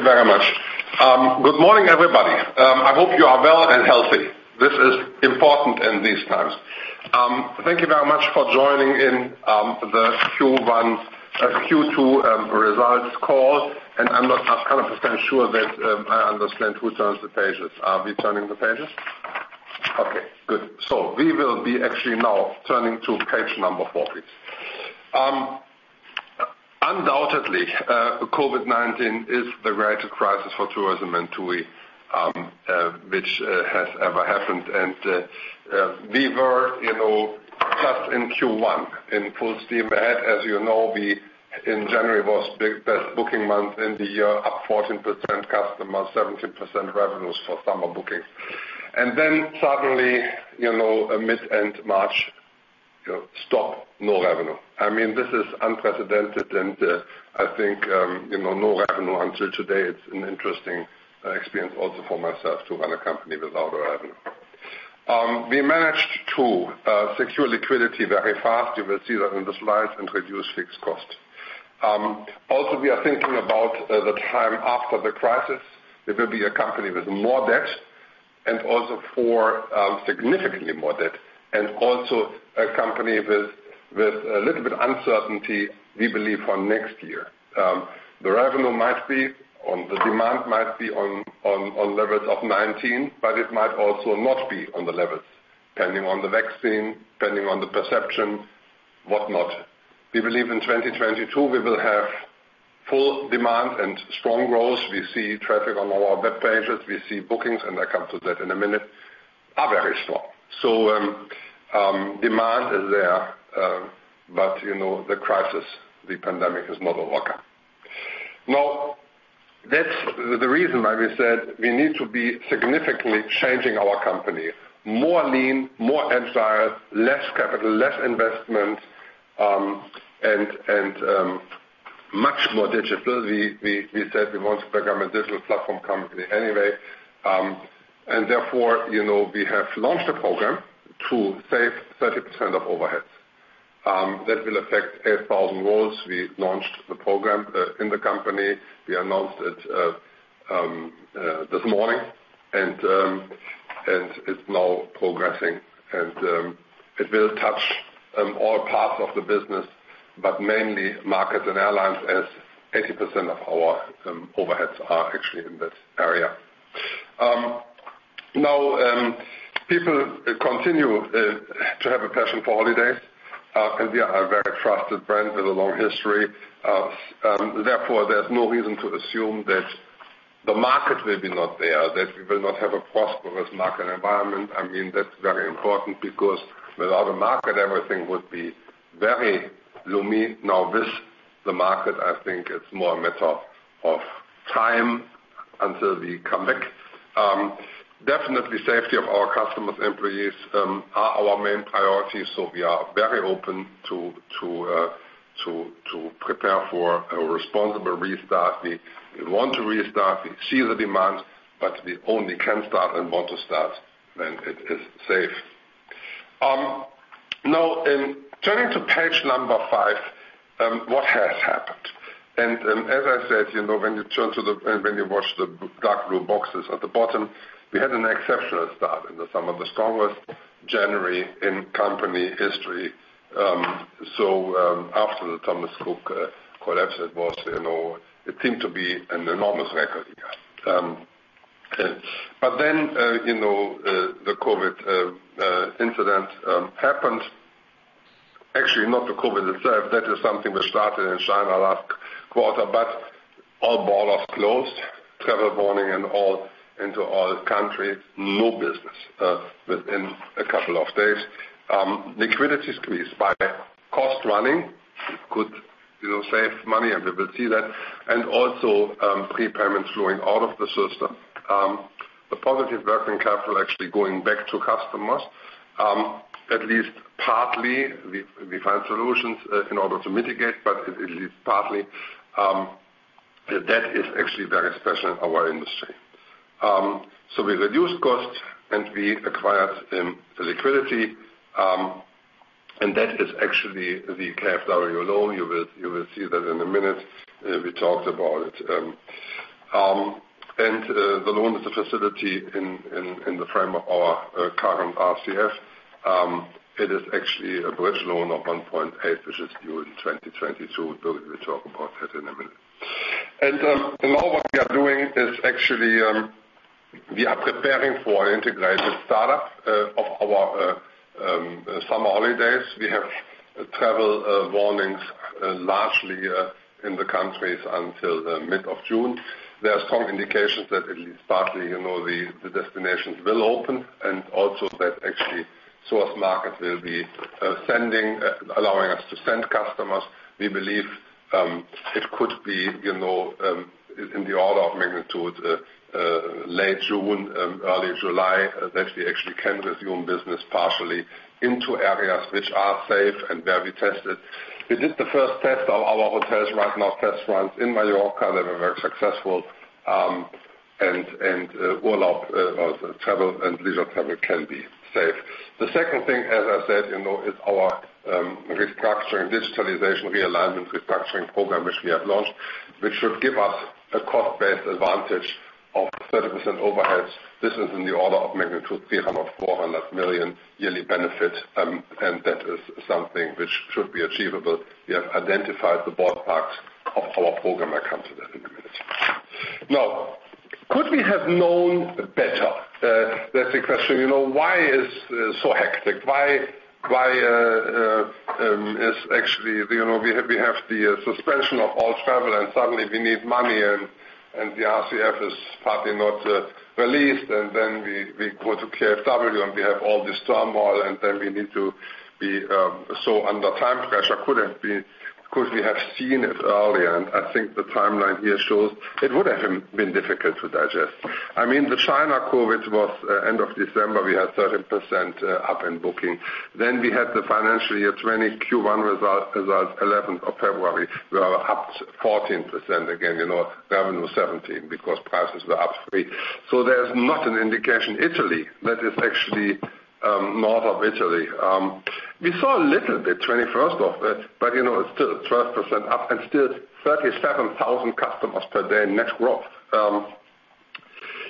Thank you very much. Good morning, everybody. I hope you are well and healthy. This is important in these times. Thank you very much for joining in the Q2 results call. I'm not 100% sure that I understand who turns the pages. Are we turning the pages? Okay, good. We will be actually now turning to page number four, please. Undoubtedly, COVID-19 is the greatest crisis for tourism and TUI, which has ever happened. We were just in Q1 in full steam ahead, as you know. In January was best booking month in the year, up 14% customers, 17% revenues for summer bookings. Then suddenly, mid end March, stop, no revenue. This is unprecedented and I think, no revenue until today, it's an interesting experience also for myself to run a company without revenue. We managed to secure liquidity very fast, you will see that in the slides, and reduce fixed costs. We are thinking about the time after the crisis. It will be a company with more debt and also for significantly more debt. A company with a little bit uncertainty, we believe, for next year. The revenue might be, or the demand might be on levels of 2019, but it might also not be on the levels, depending on the vaccine, depending on the perception, whatnot. We believe in 2022, we will have full demand and strong growth. We see traffic on our web pages, we see bookings, and I come to that in a minute, are very strong. Demand is there, but the crisis, the pandemic is not over. That's the reason why we said we need to be significantly changing our company. More lean, more agile, less capital, less investment, and much more digital. We said we want to become a digital platform company anyway. Therefore, we have launched a program to save 30% of overheads. That will affect 8,000 roles. We launched the program in the company. We announced it this morning, and it's now progressing. It will touch all parts of the business, but mainly markets and airlines as 80% of our overheads are actually in this area. People continue to have a passion for holidays, and we are a very trusted brand with a long history. Therefore, there's no reason to assume that the market may be not there, that we will not have a prosperous market environment. That's very important because without a market, everything would be very gloomy. With the market, I think it's more a matter of time until we come back. Definitely safety of our customers, employees are our main priority. We are very open to prepare for a responsible restart. We want to restart. We see the demand. We only can start and want to start when it is safe. Turning to page number five, what has happened? As I said, when you watch the dark blue boxes at the bottom, we had an exceptional start in the summer. The strongest January in company history. After the Thomas Cook collapse, it seemed to be an enormous record year. The COVID incident happened. Actually, not the COVID itself. That is something that started in China last quarter, but all borders closed. Travel warning into all countries. No business within a couple of days. Liquidities squeezed by cost running could save money, and we will see that, and also prepayments flowing out of the system. The positive working capital actually going back to customers, at least partly. We found solutions in order to mitigate, but at least partly, the debt is actually very special in our industry. We reduced costs, we acquired the liquidity, and that is actually the KfW loan. You will see that in a minute. We talked about it. The loan is a facility in the frame of our current RCF. It is actually a bridge loan of 1.8, which is due in 2022. We'll talk about that in a minute. Now what we are doing is actually, we are preparing for an integrated startup of our summer holidays. We have travel warnings largely in the countries until the mid of June. There are strong indications that at least partly, the destinations will open, and also that actually source markets will be allowing us to send customers. We believe it could be in the order of magnitude, late June, early July, that we actually can resume business partially into areas which are safe and where we tested. We did the first test of our hotels right now, test runs in Mallorca that were very successful. All of travel and leisure travel can be safe. The second thing, as I said is our restructuring, digitalization, realignment, restructuring program, which we have launched, which should give us a cost-based advantage of 30% overheads. This is in the order of magnitude 300 million-400 million yearly benefit. That is something which should be achievable. We have identified the broad parts of our program. I come to that in a minute. Could we have known better? That's the question. Why is so hectic? Why is actually we have the suspension of all travel and suddenly we need money and the RCF is partly not released and then we go to KfW, and we have all this turmoil and then we need to be so under time pressure. Could we have seen it earlier? I think the timeline here shows it would have been difficult to digest. I mean, the China COVID was end of December. We had 30% up in booking. We had the financial year 2020 Q1 results 11th of February. We were up 14% again, revenue 17% because prices were up 3%. There's not an indication. Italy, that is actually north of Italy. We saw a little bit 21st of it, but it's still 12% up and still 37,000 customers per day net growth.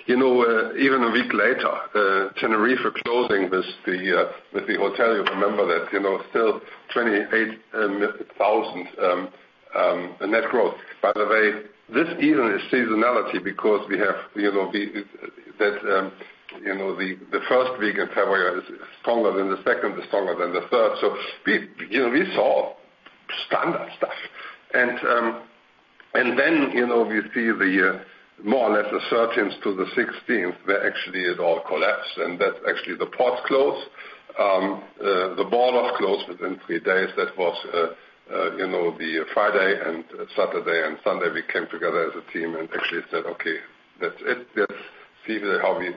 Even a week later, Tenerife closing with the hotel, you remember that, still 28,000 net growth. By the way, this even is seasonality because we have the first week in February is stronger than the second, is stronger than the third. We see the more or less the 13th to the 16th, where actually it all collapsed and that actually the ports closed. The borders closed within three days. That was the Friday and Saturday and Sunday, we came together as a team and actually said, "Okay, that's it. Let's see how we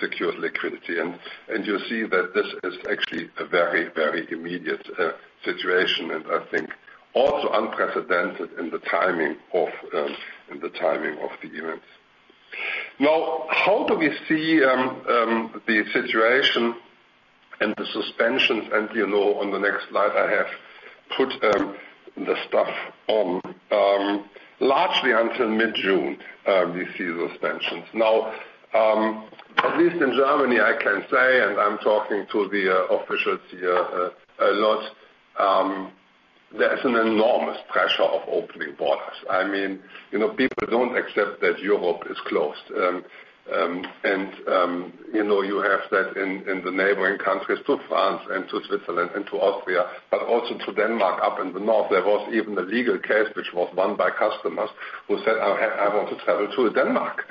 secure liquidity." You see that this is actually a very immediate situation. I think also unprecedented in the timing of the events. Now, how do we see the situation and the suspensions? On the next slide I have put the stuff on. Largely until mid-June, we see the suspensions. Now, at least in Germany, I can say, and I'm talking to the officials here a lot, there is an enormous pressure of opening borders. I mean, people don't accept that Europe is closed. You have that in the neighboring countries to France and to Switzerland and to Austria, but also to Denmark up in the north. There was even a legal case which was won by customers who said, "I want to travel to Denmark."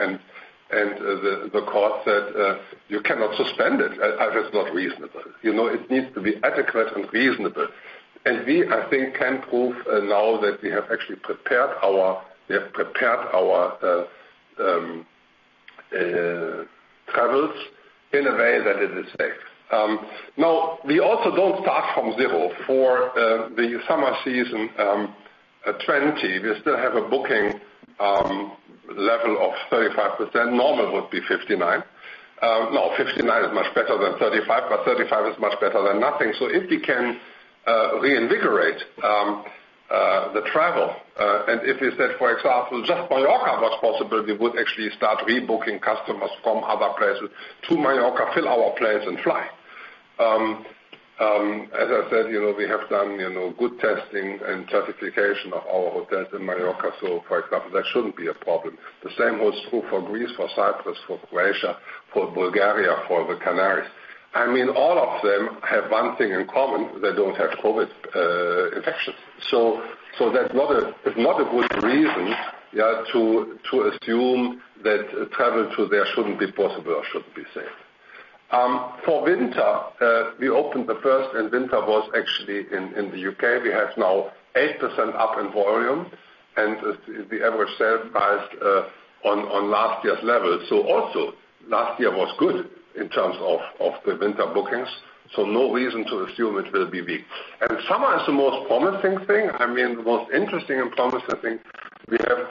The court said, "You cannot suspend it. That is not reasonable." It needs to be adequate and reasonable. We, I think, can prove now that we have actually prepared our travels in a way that it is safe. Now, we also don't start from zero. For the summer season 2020, we still have a booking level of 35%. Normal would be 59. No, 59 is much better than 35, but 35 is much better than nothing. If we can reinvigorate the travel, and if we said, for example, just Mallorca was possible, we would actually start rebooking customers from other places to Mallorca, fill our planes and fly. As I said, we have done good testing and certification of our hotels in Mallorca. For example, that shouldn't be a problem. The same holds true for Greece, for Cyprus, for Croatia, for Bulgaria, for the Canaries. I mean, all of them have one thing in common. They don't have COVID infections. That's not a good reason to assume that travel to there shouldn't be possible or shouldn't be safe. For winter, we opened the first, and winter was actually in the U.K. We have now 8% up in volume, and the average sale price on last year's level. Also last year was good in terms of the winter bookings, no reason to assume it will be weak. Summer is the most promising thing. I mean, the most interesting and promising thing. We have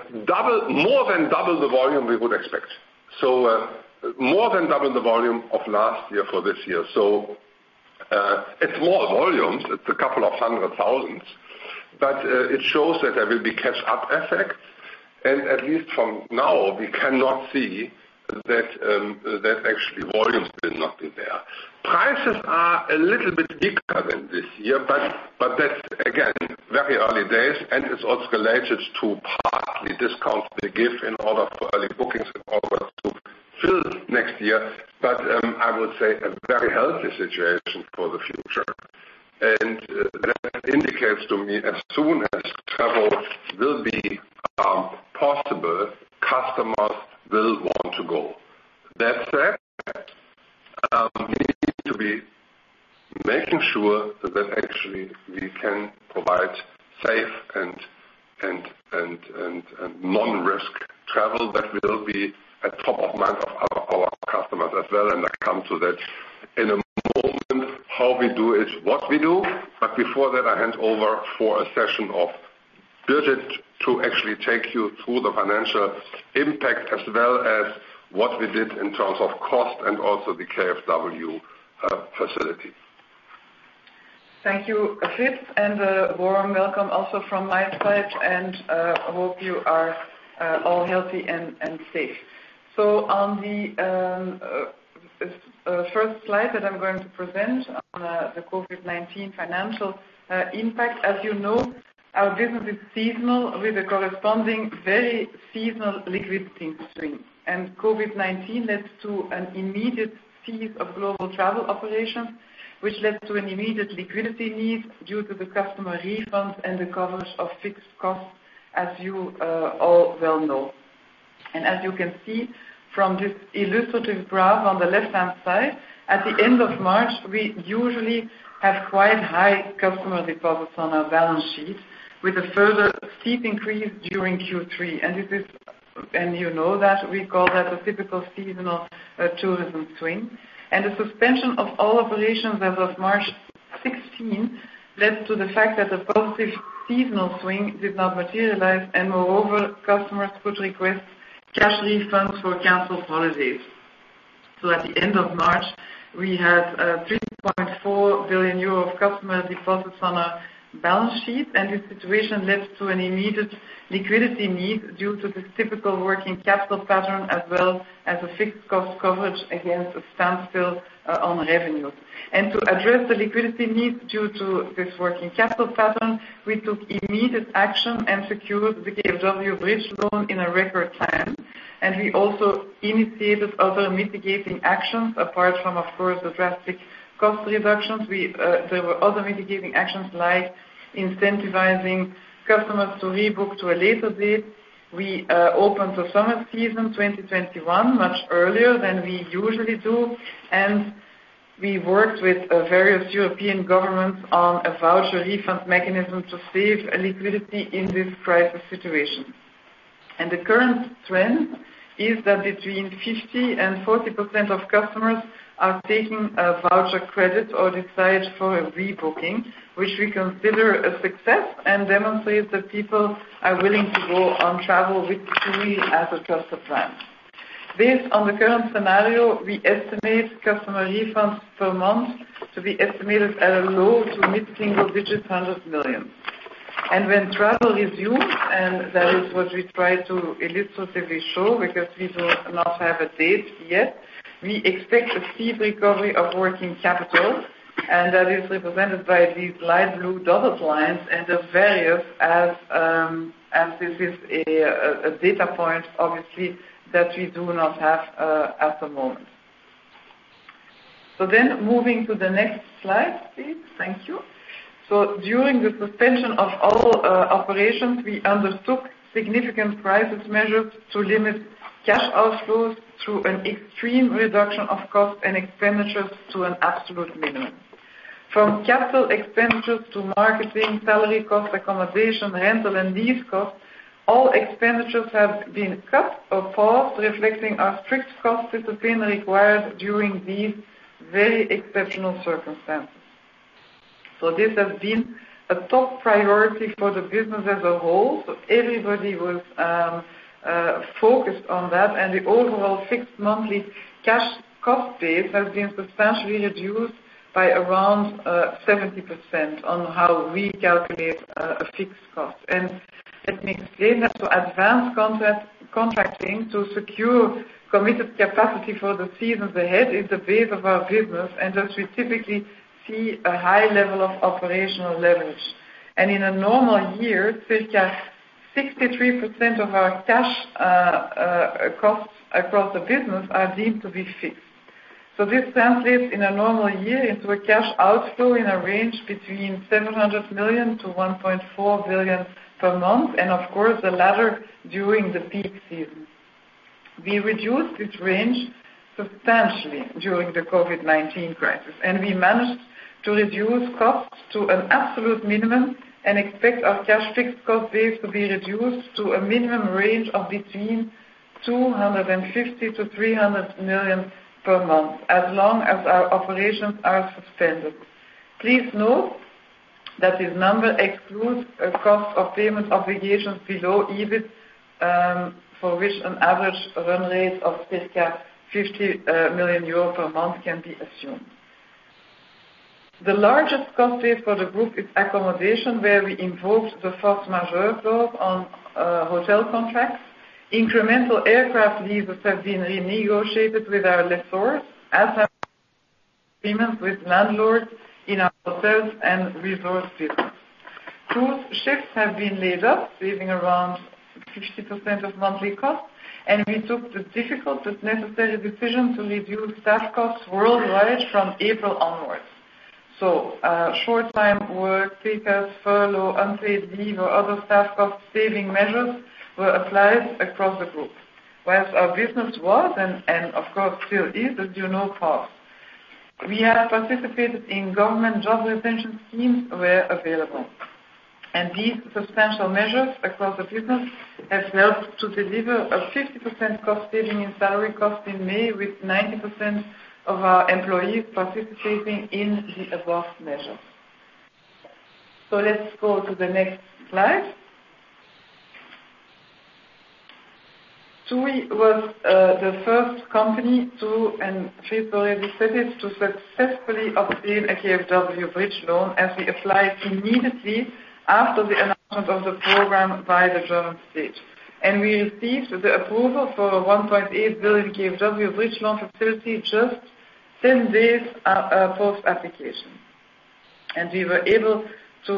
more than double the volume we would expect. More than double the volume of last year for this year. It's more volumes. It's a couple of hundred thousands. It shows that there will be catch-up effect. At least from now, we cannot see that actually volumes will not be there. Prices are a little bit deeper than this year, but that's again, very early days, and it's also related to partly discounts we give in order for early bookings in order to fill next year. I would say a very healthy situation for the future. That indicates to me as soon as travel will be possible, customers will want to go. That said, we need to be making sure that actually we can provide safe and non-risk travel that will be at top of mind as well. I come to that in a moment, how we do it, what we do. Before that, I hand over for a session of Birgit to actually take you through the financial impact as well as what we did in terms of cost and also the KfW facility. Thank you, Fried, and a warm welcome also from my side and hope you are all healthy and safe. On the first slide that I'm going to present on the COVID-19 financial impact, as you know, our business is seasonal with a corresponding very seasonal liquidity swing. COVID-19 led to an immediate cease of global travel operations, which led to an immediate liquidity need due to the customer refunds and the coverage of fixed costs, as you all well know. As you can see from this illustrative graph on the left-hand side, at the end of March, we usually have quite high customer deposits on our balance sheet with a further steep increase during Q3. You know that, we call that a typical seasonal tourism swing. The suspension of all operations as of March 16 led to the fact that a positive seasonal swing did not materialize, moreover, customers could request cash refunds for canceled holidays. At the end of March, we had 3.4 billion euro of customer deposits on our balance sheet, and this situation led to an immediate liquidity need due to the typical working capital pattern as well as a fixed cost coverage against a standstill on revenues. To address the liquidity needs due to this working capital pattern, we took immediate action and secured the KfW bridge loan in a record time, and we also initiated other mitigating actions apart from, of course, the drastic cost reductions. There were other mitigating actions like incentivizing customers to rebook to a later date. We opened the summer season 2021 much earlier than we usually do. We worked with various European governments on a voucher refund mechanism to save liquidity in this crisis situation. The current trend is that between 50% and 40% of customers are taking a voucher credit or decide for a rebooking, which we consider a success and demonstrates that people are willing to go on travel with TUI as a trusted brand. Based on the current scenario, we estimate customer refunds per month to be estimated at a low to mid-single digit hundred million. When travel resumes, and that is what we try to illustratively show, because we do not have a date yet, we expect a steep recovery of working capital, and that is represented by these light blue dotted lines and they vary, as this is a data point, obviously, that we do not have at the moment. Moving to the next slide, please. Thank you. During the suspension of all operations, we undertook significant crisis measures to limit cash outflows through an extreme reduction of cost and expenditures to an absolute minimum. From capital expenditures to marketing, salary costs, accommodation, rental, and lease costs, all expenditures have been cut or paused, reflecting our strict cost discipline required during these very exceptional circumstances. This has been a top priority for the business as a whole. Everybody was focused on that, and the overall fixed monthly cash cost base has been substantially reduced by around 70% on how we calculate a fixed cost. Let me explain that. Advance contracting to secure committed capacity for the season ahead is the base of our business, and thus we typically see a high level of operational leverage. In a normal year, circa 63% of our cash costs across the business are deemed to be fixed. This translates in a normal year into a cash outflow in a range between 700 million-1.4 billion per month, and of course, the latter during the peak season. We reduced this range substantially during the COVID-19 crisis. We managed to reduce costs to an absolute minimum and expect our cash fixed cost base to be reduced to a minimum range of between 250 million-300 million per month as long as our operations are suspended. Please note that this number excludes cost of payment obligations below EBIT, for which an average run rate of circa 50 million euros per month can be assumed. The largest cost base for the group is accommodation, where we invoked the force majeure clause on hotel contracts. Incremental aircraft leases have been renegotiated with our lessors, as have payments with landlords in our hotels and resort business. Cruise ships have been laid up, saving around 60% of monthly costs. We took the difficult but necessary decision to reduce staff costs worldwide from April onwards. Short-time work, pay cuts, furlough, unpaid leave, or other staff cost saving measures were applied across the group. Whereas our business was, and of course still is, a dual path. We have participated in government job retention schemes where available. These substantial measures across the business have helped to deliver a 50% cost saving in salary cost in May, with 90% of our employees participating in the above measures. Let's go to the next slide. TUI was the first company to, in February, we said it, to successfully obtain a KfW bridge loan as we applied immediately after the announcement of the program by the German state. We received the approval for a 1.8 billion KfW bridge loan facility just 10 days post application. We were able to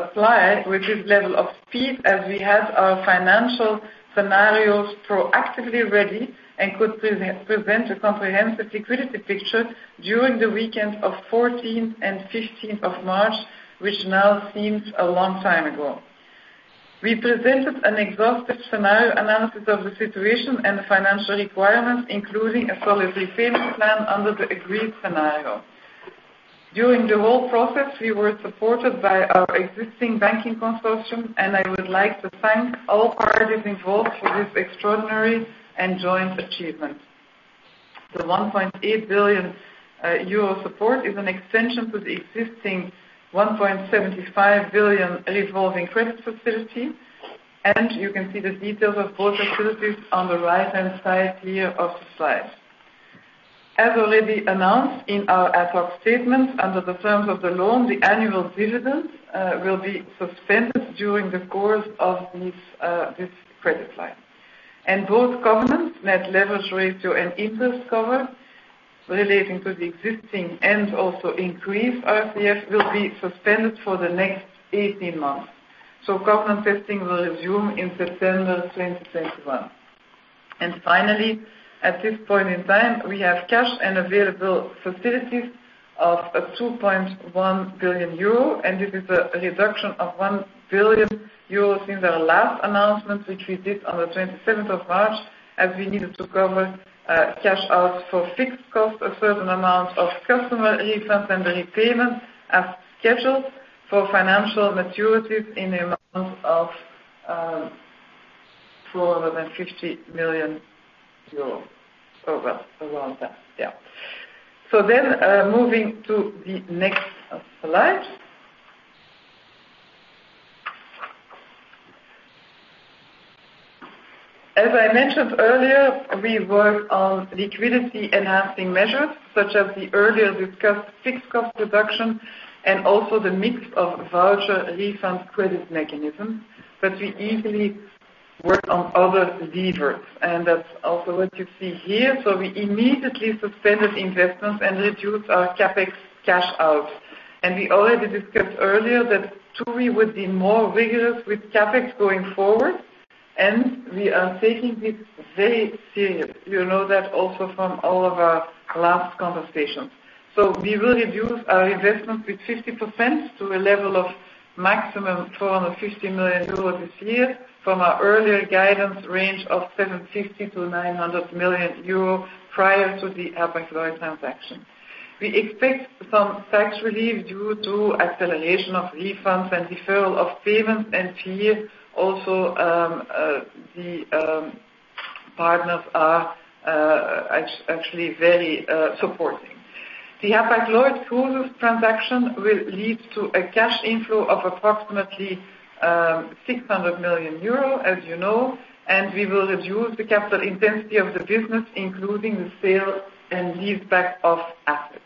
apply with this level of speed as we had our financial scenarios proactively ready and could present a comprehensive liquidity picture during the weekend of 14th and 15th of March, which now seems a long time ago. We presented an exhaustive scenario analysis of the situation and the financial requirements, including a solid repayment plan under the agreed scenario. During the whole process, we were supported by our existing banking consortium, and I would like to thank all parties involved for this extraordinary and joint achievement. The 1.8 billion euro support is an extension to the existing 1.75 billion revolving credit facility, and you can see the details of both facilities on the right-hand side here of the slide. As already announced in our ad hoc statement, under the terms of the loan, the annual dividend will be suspended during the course of this credit line. Both covenants, net leverage ratio and interest cover relating to the existing and also increased RCF, will be suspended for the next 18 months. Covenant testing will resume in September 2021. Finally, at this point in time, we have cash and available facilities of 2.1 billion euro, and this is a reduction of 1 billion euro since our last announcement, which we did on the 27th of March, as we needed to cover cash outs for fixed costs, a certain amount of customer refunds, and the repayment as scheduled for financial maturities in the amount of 450 million euros. Around that, yeah. Moving to the next slide. As I mentioned earlier, we work on liquidity enhancing measures such as the earlier discussed fixed cost reduction and also the mix of voucher refunds credit mechanism. We easily work on other levers, and that's also what you see here. We immediately suspended investments and reduced our CapEx cash out. We already discussed earlier that TUI would be more rigorous with CapEx going forward, and we are taking it very serious. You know that also from all of our last conversations. We will reduce our investments with 50% to a level of maximum 450 million euros this year from our earlier guidance range of 750 million-900 million euros prior to the Hapag-Lloyd transaction. We expect some tax relief due to acceleration of refunds and deferral of payments, and here also the partners are actually very supporting. The Hapag-Lloyd cruise transaction will lead to a cash inflow of approximately 600 million euro, as you know. We will reduce the capital intensity of the business, including the sale and lease back of assets.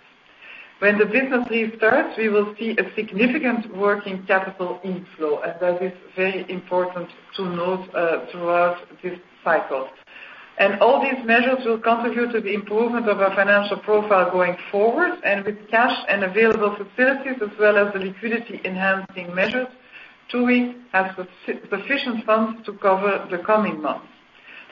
When the business restarts, we will see a significant working capital inflow, that is very important to note throughout this cycle. All these measures will contribute to the improvement of our financial profile going forward. With cash and available facilities, as well as the liquidity enhancing measures, TUI has sufficient funds to cover the coming months.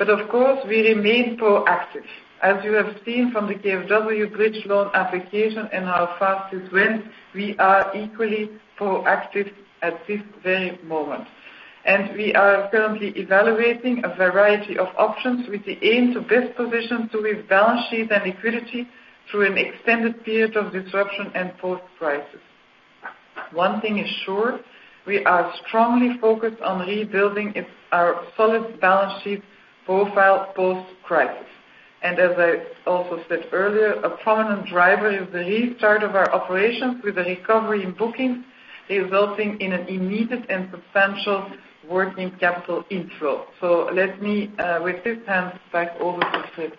Of course, we remain proactive. As you have seen from the KfW bridge loan application and how fast it went, we are equally proactive at this very moment. We are currently evaluating a variety of options with the aim to best position TUI's balance sheet and liquidity through an extended period of disruption and post-crisis. One thing is sure, we are strongly focused on rebuilding our solid balance sheet profile post-crisis. As I also said earlier, a prominent driver is the restart of our operations with a recovery in bookings resulting in an immediate and substantial working capital inflow. Let me with this hand back over to Fried.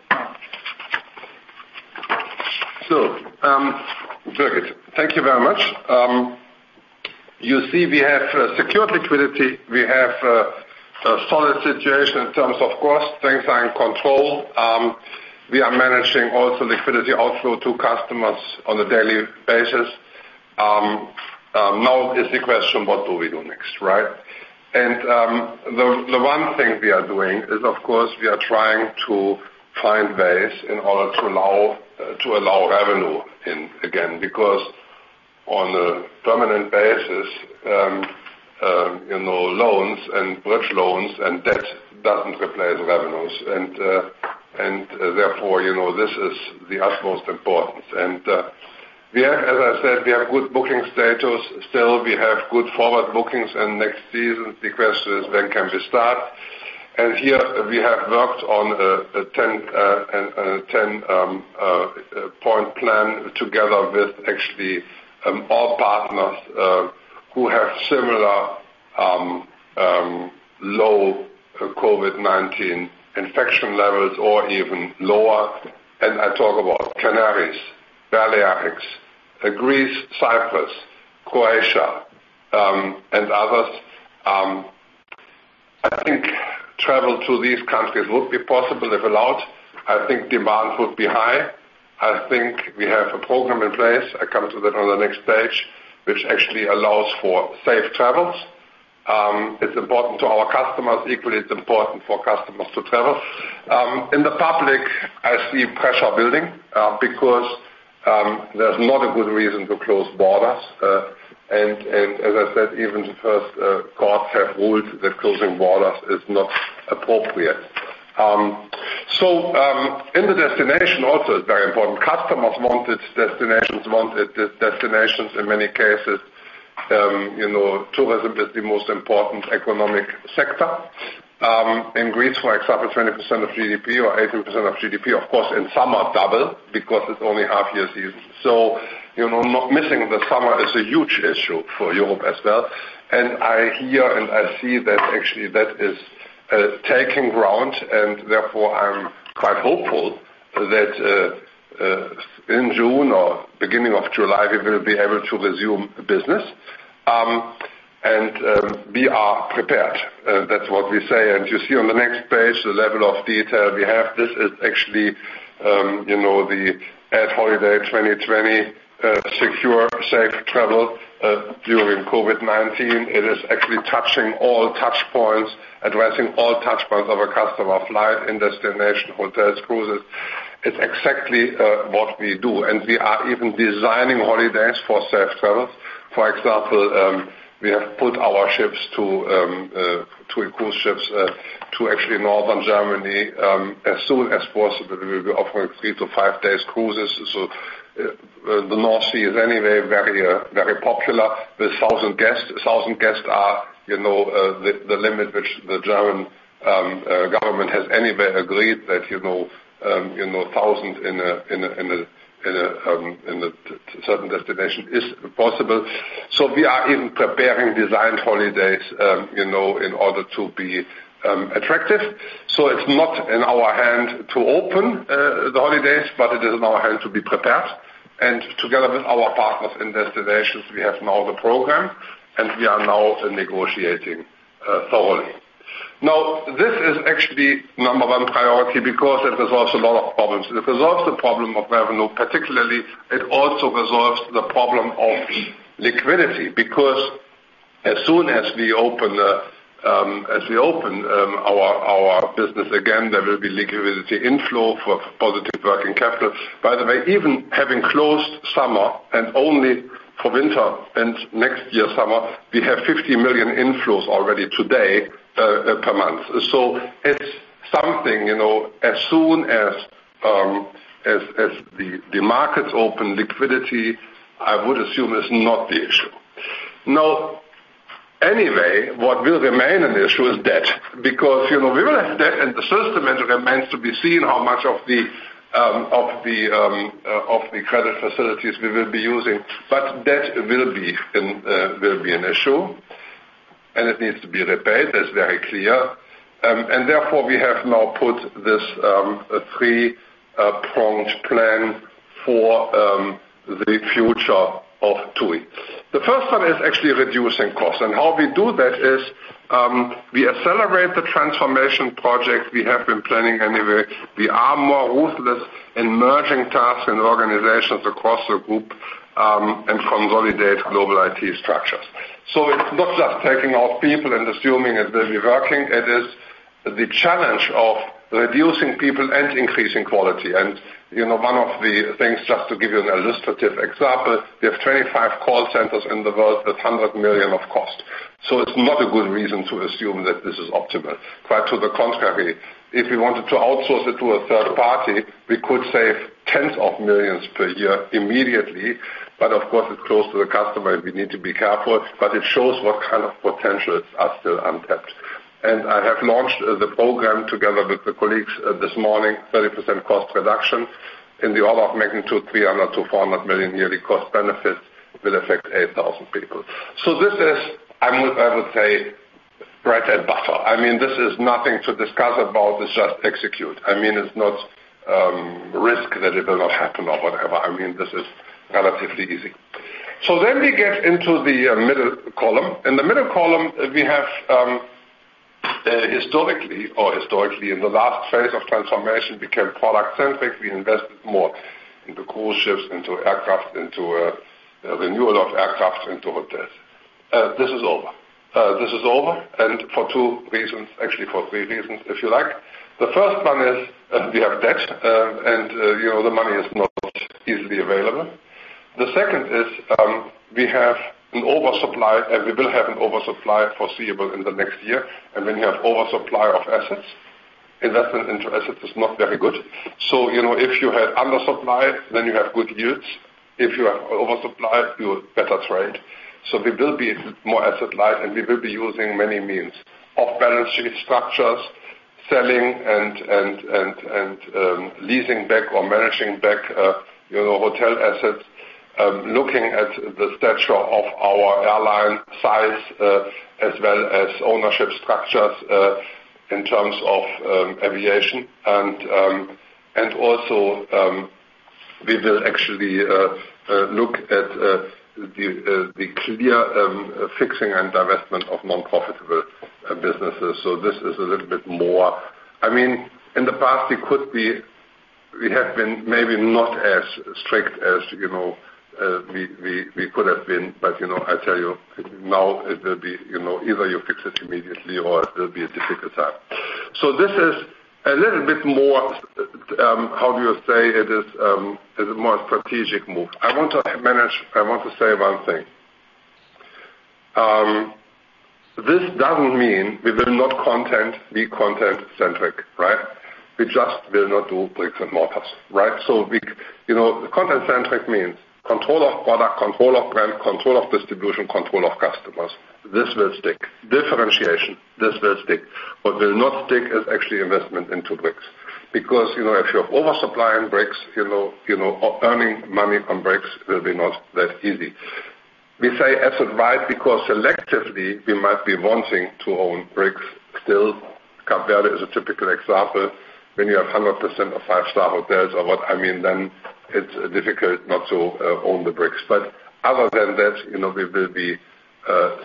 Birgit, thank you very much. You see we have secure liquidity. We have a solid situation in terms of cost. Things are in control. We are managing also liquidity outflow to customers on a daily basis. Is the question, what do we do next, right? The one thing we are doing is, of course, we are trying to find ways in order to allow revenue in again because on a permanent basis, loans and bridge loans and debt doesn't replace revenues. Therefore, this is the utmost importance. As I said, we have good booking status still. We have good forward bookings and next season the question is when can we start? Here we have worked on a 10-point plan together with actually all partners who have similar low COVID-19 infection levels or even lower. I talk about Canaries, Balearics, Greece, Cyprus, Croatia, and others. I think travel to these countries would be possible if allowed. I think demand would be high. I think we have a program in place, I come to that on the next page, which actually allows for safe travels. It's important to our customers, equally, it's important for customers to travel. In the public, I see pressure building, because there's not a good reason to close borders. As I said, even the first courts have ruled that closing borders is not appropriate. In the destination, also it's very important. Customers want it, destinations want it. Destinations in many cases, tourism is the most important economic sector. In Greece, for example, 20% of GDP or 18% of GDP, of course in summer double because it's only half year season. Missing the summer is a huge issue for Europe as well. I hear and I see that actually that is taking ground and therefore I'm quite hopeful that in June or beginning of July, we will be able to resume business. We are prepared. That's what we say. You see on the next page the level of detail we have. This is actually at holiday 2020 secure, safe travel during COVID-19. It is actually touching all touch points, addressing all touch points of a customer flight and destination hotel cruises. It's exactly what we do. We are even designing holidays for safe travels. For example, we have put our cruise ships to actually northern Germany. As soon as possible, we will be offering three to five days cruises. The North Sea is anyway very popular with 1,000 guests. 1,000 guests are the limit which the German government has anyway agreed that 1,000 in a certain destination is possible. We are even preparing designed holidays in order to be attractive. It's not in our hand to open the holidays, but it is in our hand to be prepared. Together with our partners and destinations, we have now the program and we are now also negotiating thoroughly. This is actually number one priority because it resolves a lot of problems. It resolves the problem of revenue particularly. It also resolves the problem of liquidity, because as soon as we open our business again, there will be liquidity inflow for positive working capital. By the way, even having closed summer and only for winter and next year summer, we have 50 million inflows already today per month. It's something, as soon as the markets open, liquidity, I would assume, is not the issue. Anyway, what will remain an issue is debt, because we will have debt and the first dimension remains to be seen how much of the credit facilities we will be using. Debt will be an issue, and it needs to be repaid, that's very clear. Therefore, we have now put this three-pronged plan for the future of TUI. The first one is actually reducing cost. How we do that is, we accelerate the transformation project we have been planning anyway. We are more ruthless in merging tasks and organizations across the group, and consolidate global IT structures. It's not just taking off people and assuming it will be working. It is the challenge of reducing people and increasing quality. One of the things, just to give you an illustrative example, we have 25 call centers in the world with hundred million of cost. It's not a good reason to assume that this is optimal. Quite to the contrary. If we wanted to outsource it to a third party, we could save tens of millions per year immediately, but of course it's close to the customer, we need to be careful, but it shows what kind of potentials are still untapped. I have launched the program together with the colleagues this morning, 30% cost reduction in the order of magnitude 300 million-400 million yearly cost benefits will affect 8,000 people. This is, I would say, bread and butter. This is nothing to discuss about, it's just execute. It's not risk that it will not happen or whatever. This is relatively easy. We get into the middle column. In the middle column, we have historically in the last phase of transformation became product centric. We invested more into cruise ships, into aircraft, into renewal of aircraft, into hotels. This is over. This is over, and for two reasons. Actually, for three reasons, if you like. The first one is we have debt, and the money is not easily available. The second is we have an oversupply, and we will have an oversupply foreseeable in the next year. When you have oversupply of assets, investment into assets is not very good. If you had undersupply, then you have good yields. If you have oversupply, you better trade. We will be more asset light, and we will be using many means. Off-balance sheet structures, selling and leasing back or managing back hotel assets. Looking at the stature of our airline size, as well as ownership structures in terms of aviation. We will actually look at the clear fixing and divestment of non-profitable businesses. This is a little bit more. In the past, we have been maybe not as strict as we could have been. I tell you now, either you fix it immediately or it will be a difficult time. This is a little bit more, how do you say it? It is a more strategic move. I want to say one thing. This doesn't mean we will not be content-centric. We just will not do bricks and mortars. Content-centric means control of product, control of brand, control of distribution, control of customers. This will stick. Differentiation, this will stick. What will not stick is actually investment into bricks. If you have oversupply in bricks, earning money from bricks will be not that easy. We say asset light because selectively we might be wanting to own bricks still. Cape Verde is a typical example. When you have 100% of five-star hotels, then it's difficult not to own the bricks. Other than that, we will be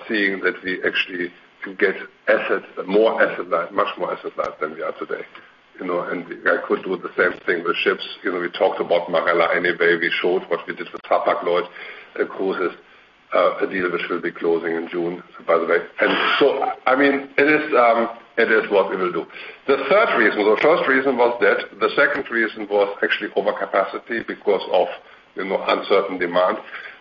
seeing that we actually can get much more asset light than we are today. I could do the same thing with ships. We talked about Marella anyway. We showed what we did with Hapag-Lloyd Cruises, a deal which will be closing in June, by the way. It is what we will do. The first reason was debt. The second reason was actually overcapacity because of uncertain demand.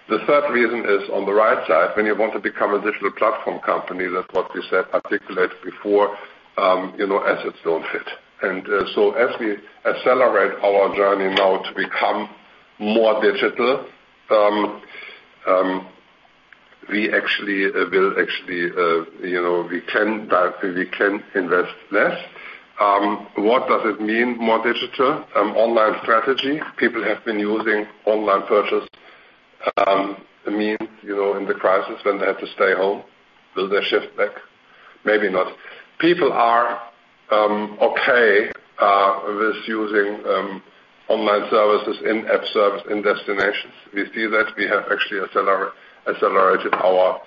The third reason is on the right side. When you want to become a digital platform company, that is what we said, articulated before, assets don't fit. As we accelerate our journey now to become more digital, we can invest less. What does it mean more digital? Online strategy. People have been using online purchase means in the crisis when they had to stay home. Will they shift back? Maybe not. People are okay with using online services, in-app service in destinations. We see that. We have actually accelerated our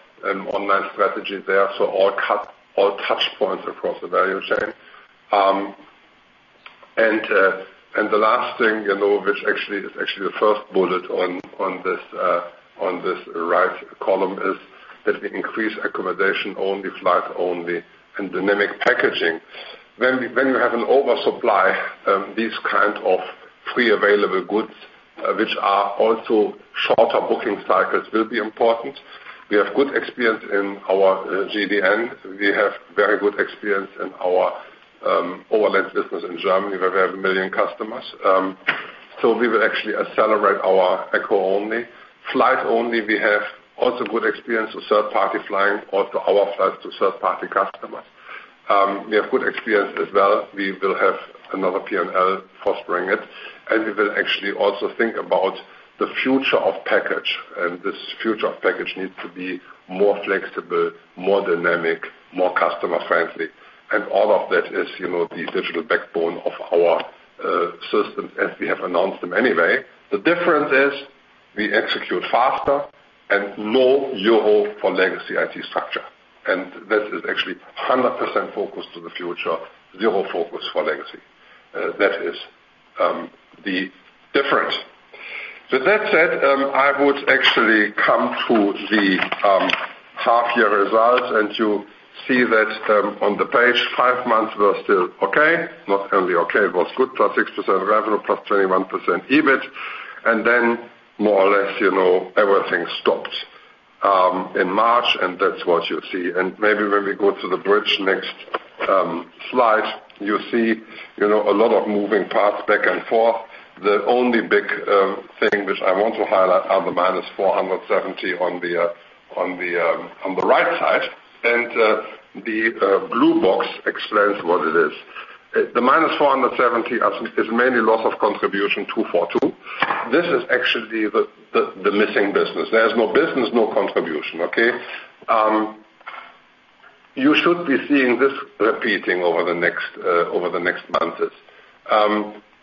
online strategy there. All touchpoints across the value chain. The last thing, which actually is the first bullet on this right column, is that we increase accommodation-only, flight-only and dynamic packaging. When you have an oversupply, these kind of free available goods, which are also shorter booking cycles, will be important. We have good experience in our GDN. We have very good experience in our overland business in Germany, where we have 1 million customers. We will actually accelerate our accommodation-only. Flight only, we have also good experience with third-party flying or to our flights to third-party customers. We have good experience as well. We will have another P&L for sourcing, we will actually also think about the future of package. This future of package needs to be more flexible, more dynamic, more customer-friendly. All of that is the digital backbone of our systems as we have announced them anyway. The difference is we execute faster, no euro for legacy IT structure. That is actually 100% focused to the future, zero focus for legacy. That is the difference. With that said, I would actually come to the half year results, you see that on the page. Five months were still okay. Not only okay, it was good. 6% revenue, plus 21% EBIT. More or less everything stopped in March, and that's what you see. Maybe when we go to the bridge, next slide, you see a lot of moving parts back and forth. The only big thing which I want to highlight are the -470 on the right side. The blue box explains what it is. The -470 is mainly loss of contribution 242. This is actually the missing business. There is no business, no contribution. You should be seeing this repeating over the next months.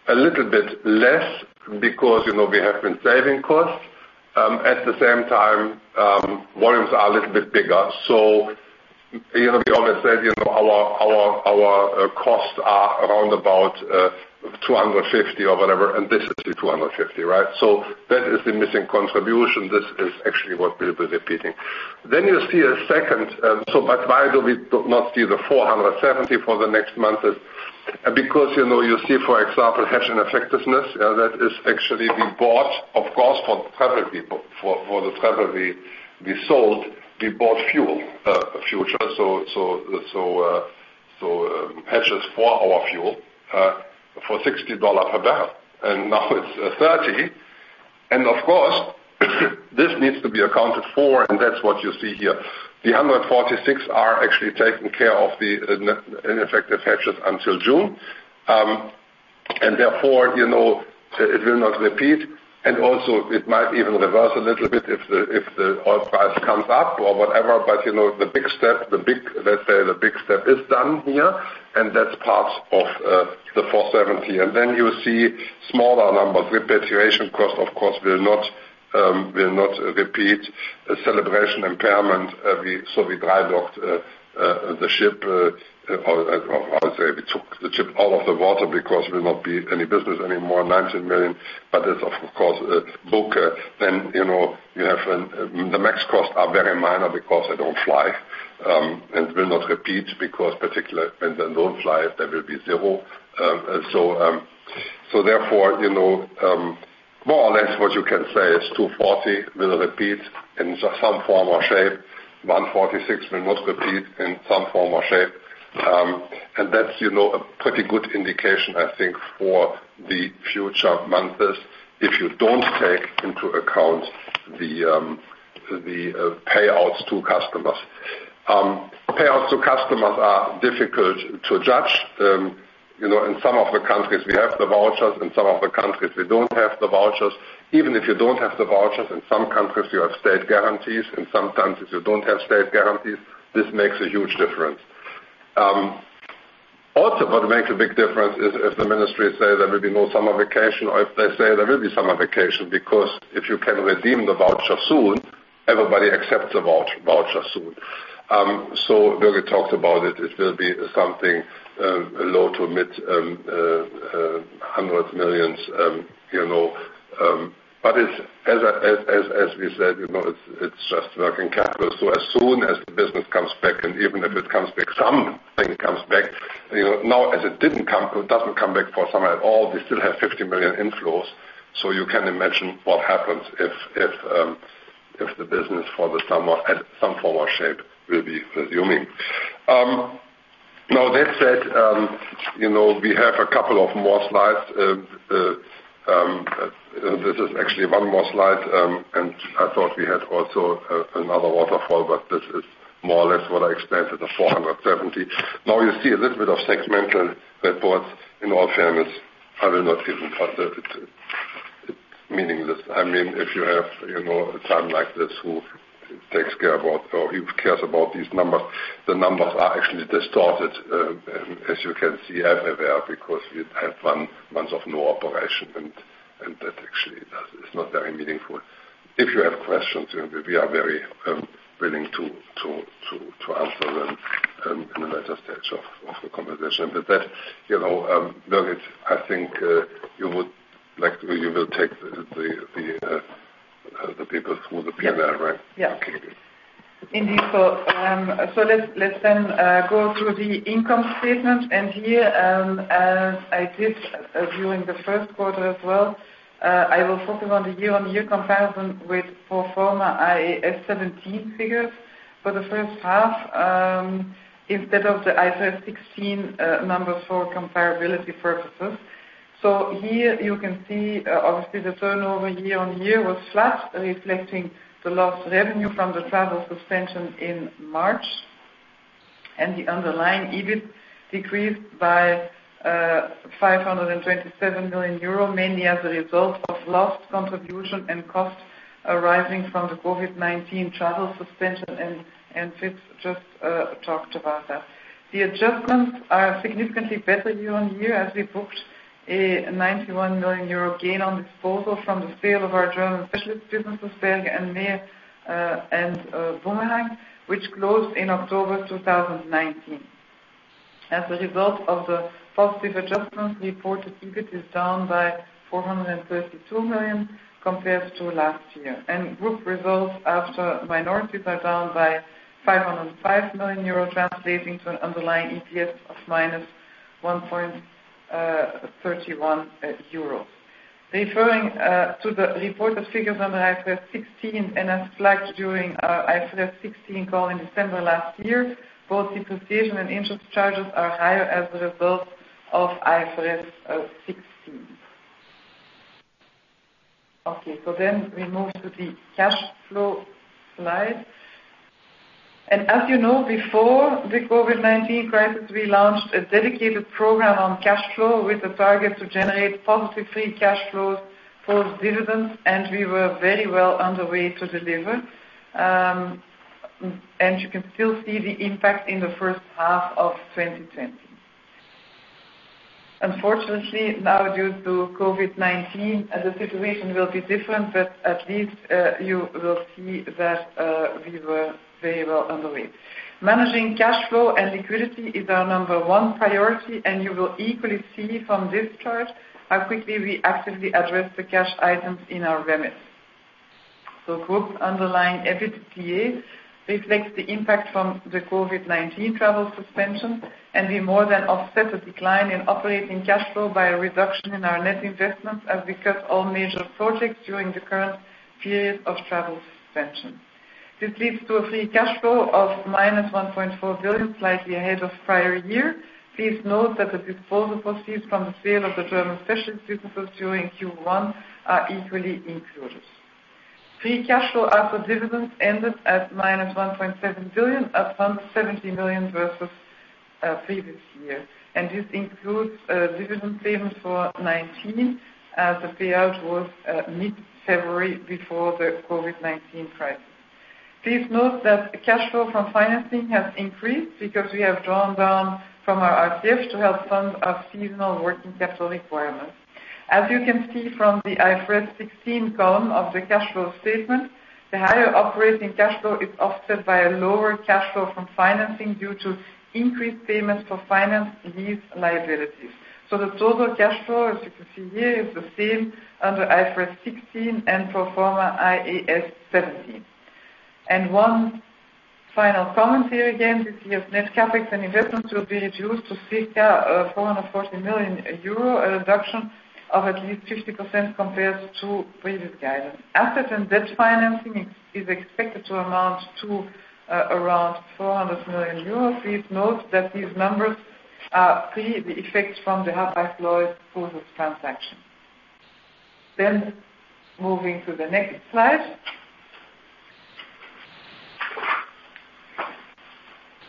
A little bit less because we have been saving costs. At the same time, volumes are a little bit bigger. We always said our costs are around about 250 or whatever, and this is the 250. That is the missing contribution. This is actually what we'll be repeating. You see a second. Why do we not see the 470 for the next month? You see, for example, hedge ineffectiveness. We bought, of course, for the travel we sold, we bought future. Hedges for our fuel, for EUR 60 per barrel, and now it's 30. Of course, this needs to be accounted for, and that's what you see here. The 146 are actually taking care of the ineffective hedges until June. Therefore, it will not repeat. Also it might even reverse a little bit if the oil price comes up or whatever. The big step is done here, and that's part of the 470. You see smaller numbers. Repatriation cost, of course, will not repeat. Celebration impairment, so we dry docked the ship. I would say we took the ship out of the water because there will not be any business anymore, 19 million. That's, of course, book. The MAX costs are very minor because they don't fly, and will not repeat because when they don't fly, they will be zero. More or less what you can say is 240 will repeat in some form or shape, 146 will not repeat in some form or shape. That's a pretty good indication, I think, for the future months, if you don't take into account the payouts to customers. Payouts to customers are difficult to judge. In some of the countries we have the vouchers, in some of the countries we don't have the vouchers. Even if you don't have the vouchers, in some countries, you have state guarantees, in some countries you don't have state guarantees. This makes a huge difference. Also, what makes a big difference is if the ministry say there will be no summer vacation, or if they say there will be summer vacation. If you can redeem the voucher soon, everybody accepts a voucher soon. Birgit talked about it will be something low to mid hundreds millions. As we said, it's just working capital. As soon as the business comes back, and even if it comes back, something comes back. As it doesn't come back for summer at all, we still have 50 million inflows. You can imagine what happens if the business for the summer, at some form or shape, will be resuming. That said, we have a couple of more slides. This is actually one more slide, and I thought we had also another waterfall, but this is more or less what I expected, the 470. You see a little bit of segmental reports. In all fairness, I will not even touch that. It is meaningless. If you have a time like this who cares about these numbers? The numbers are actually distorted, as you can see everywhere, because we have one month of no operation. That actually is not very meaningful. If you have questions, we are very willing to answer them in the later stage of the conversation. With that, Birgit, I think you will take the people through the P&L, right? Yeah. Okay. Indeed. Let's go through the income statement. Here, as I did during the first quarter as well, I will focus on the year-on-year comparison with pro forma IAS 17 figures for the first half instead of the IFRS 16 numbers for comparability purposes. Here you can see, obviously, the turnover year-on-year was flat, reflecting the lost revenue from the travel suspension in March. The underlying EBIT decreased by 527 million euro, mainly as a result of lost contribution and costs arising from the COVID-19 travel suspension and Fried just talked about that. The adjustments are significantly better year-on-year, as we booked a 91 million euro gain on disposal from the sale of our German specialist businesses, Berge & Meer, and Boomerang, which closed in October 2019. As a result of the positive adjustments reported, EBIT is down by 432 million compared to last year. Group results after minorities are down by 505 million euro, translating to an underlying EPS of -1.31 euros. Referring to the reported figures under IFRS 16, and as flagged during our IFRS 16 call in December last year, both depreciation and interest charges are higher as a result of IFRS 16. Okay, we move to the cash flow slide. As you know, before the COVID-19 crisis, we launched a dedicated program on cash flow with a target to generate positive free cash flows for dividends, and we were very well on the way to deliver. You can still see the impact in the first half of 2020. Unfortunately, now due to COVID-19, the situation will be different, but at least you will see that we were very well underway. Managing cash flow and liquidity is our number one priority, and you will equally see from this chart how quickly we actively address the cash items in our remit. Group underlying EBITDA reflects the impact from the COVID-19 travel suspension, and we more than offset a decline in operating cash flow by a reduction in our net investments as we cut all major projects during the current period of travel suspension. This leads to a free cash flow of -1.4 billion, slightly ahead of prior year. Please note that the disposal proceeds from the sale of the German specialty business during Q1 are equally included. Free cash flow after dividends ended at -1.7 billion, up from 170 million versus previous year. This includes dividend payments for 2019, as the payout was mid-February before the COVID-19 crisis. Please note that the cash flow from financing has increased because we have drawn down from our RCF to help fund our seasonal working capital requirements. As you can see from the IFRS 16 column of the cash flow statement, the higher operating cash flow is offset by a lower cash flow from financing due to increased payments for finance lease liabilities. The total cash flow, as you can see here, is the same under IFRS 16 and pro forma IAS 17. One final comment here again, this year's net CapEx and investments will be reduced to circa 440 million euro, a reduction of at least 50% compared to previous guidance. Asset and debt financing is expected to amount to around 400 million euros. Please note that these numbers are pre the effect from the Hapag-Lloyd Cruises transaction. Moving to the next slide.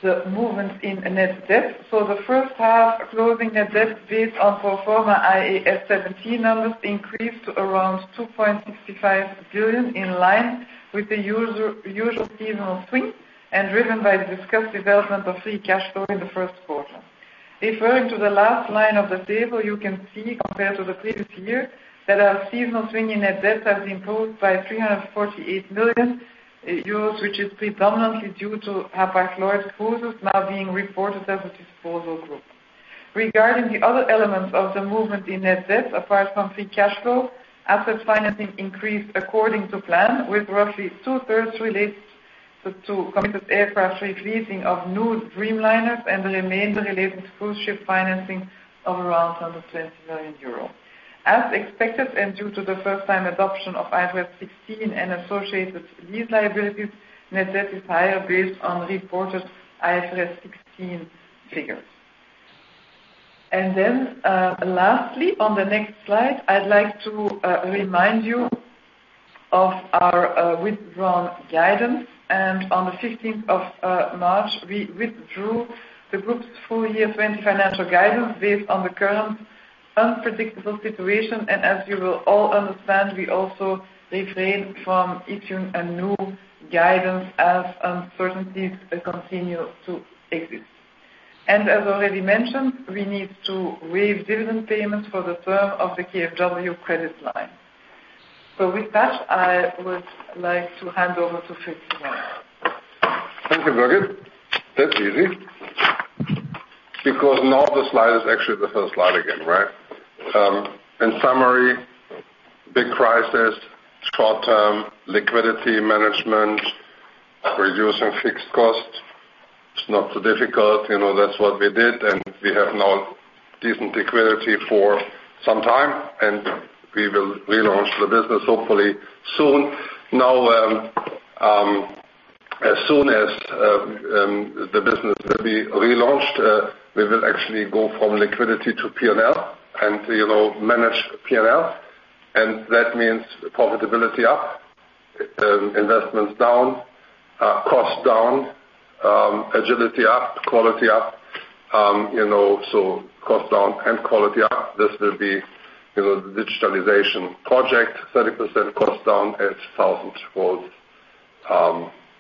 The movement in net debt. The first half closing net debt based on pro forma IAS 17 numbers increased to around 2.65 billion, in line with the usual seasonal swing and driven by the discussed development of free cash flow in the first quarter. Referring to the last line of the table, you can see compared to the previous year, that our seasonal swing in net debt has improved by 348 million euros, which is predominantly due to Hapag-Lloyd Cruises now being reported as a disposal group. Regarding the other elements of the movement in net debt, apart from free cash flow, asset financing increased according to plan, with roughly two-thirds related to committed aircraft re-leasing of new Dreamliners and the remainder related to cruise ship financing of around 120 million euros. As expected, due to the first time adoption of IFRS 16 and associated lease liabilities, net debt is higher based on reported IFRS 16 figures. Lastly, on the next slide, I'd like to remind you of our withdrawn guidance. On the 15th of March, we withdrew the group's full year 2020 financial guidance based on the current unpredictable situation. As you will all understand, we also refrain from issuing a new guidance as uncertainties continue to exist. As already mentioned, we need to waive dividend payments for the term of the KfW credit line. With that, I would like to hand over to Fried Joussen. Thank you, Birgit. That's easy, because now the slide is actually the first slide again, right? In summary, big crisis, short-term liquidity management, reducing fixed costs. It's not too difficult. That's what we did, and we have now decent liquidity for some time, and we will relaunch the business hopefully soon. Now, as soon as the business will be relaunched, we will actually go from liquidity to P&L and manage P&L. That means profitability up, investments down, cost down, agility up, quality up. Cost down and quality up. This will be the digitalization project, 30% cost down at source was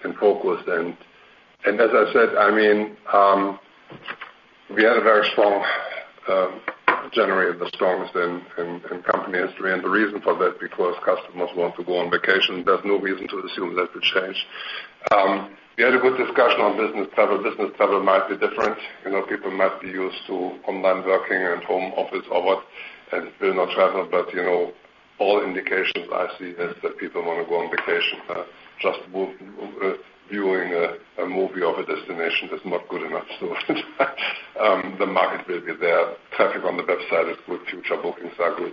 in focus. As I said, we had a very strong January, the strongest in company history. The reason for that, because customers want to go on vacation. There's no reason to assume that will change. We had a good discussion on business travel. Business travel might be different. People might be used to online working and home office and will not travel. All indications I see is that people want to go on vacation. Just viewing a movie of a destination is not good enough. The market will be there. Traffic on the website is good. Future bookings are good.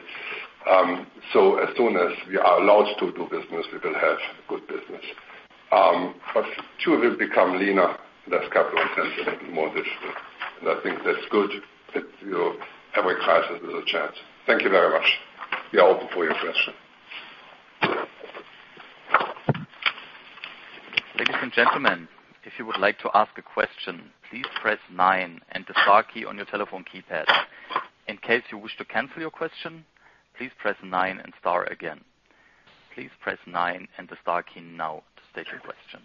As soon as we are allowed to do business, we will have good business. TUI will become leaner, less capital intensive, and more digital. I think that's good. Every crisis is a chance. Thank you very much. We are open for your questions. Ladies and gentlemen, if you would like to ask a question, please press nine and the star key on your telephone keypad. In case you wish to cancel your question, please press nine and star again. Please press nine and the star key now to state your question.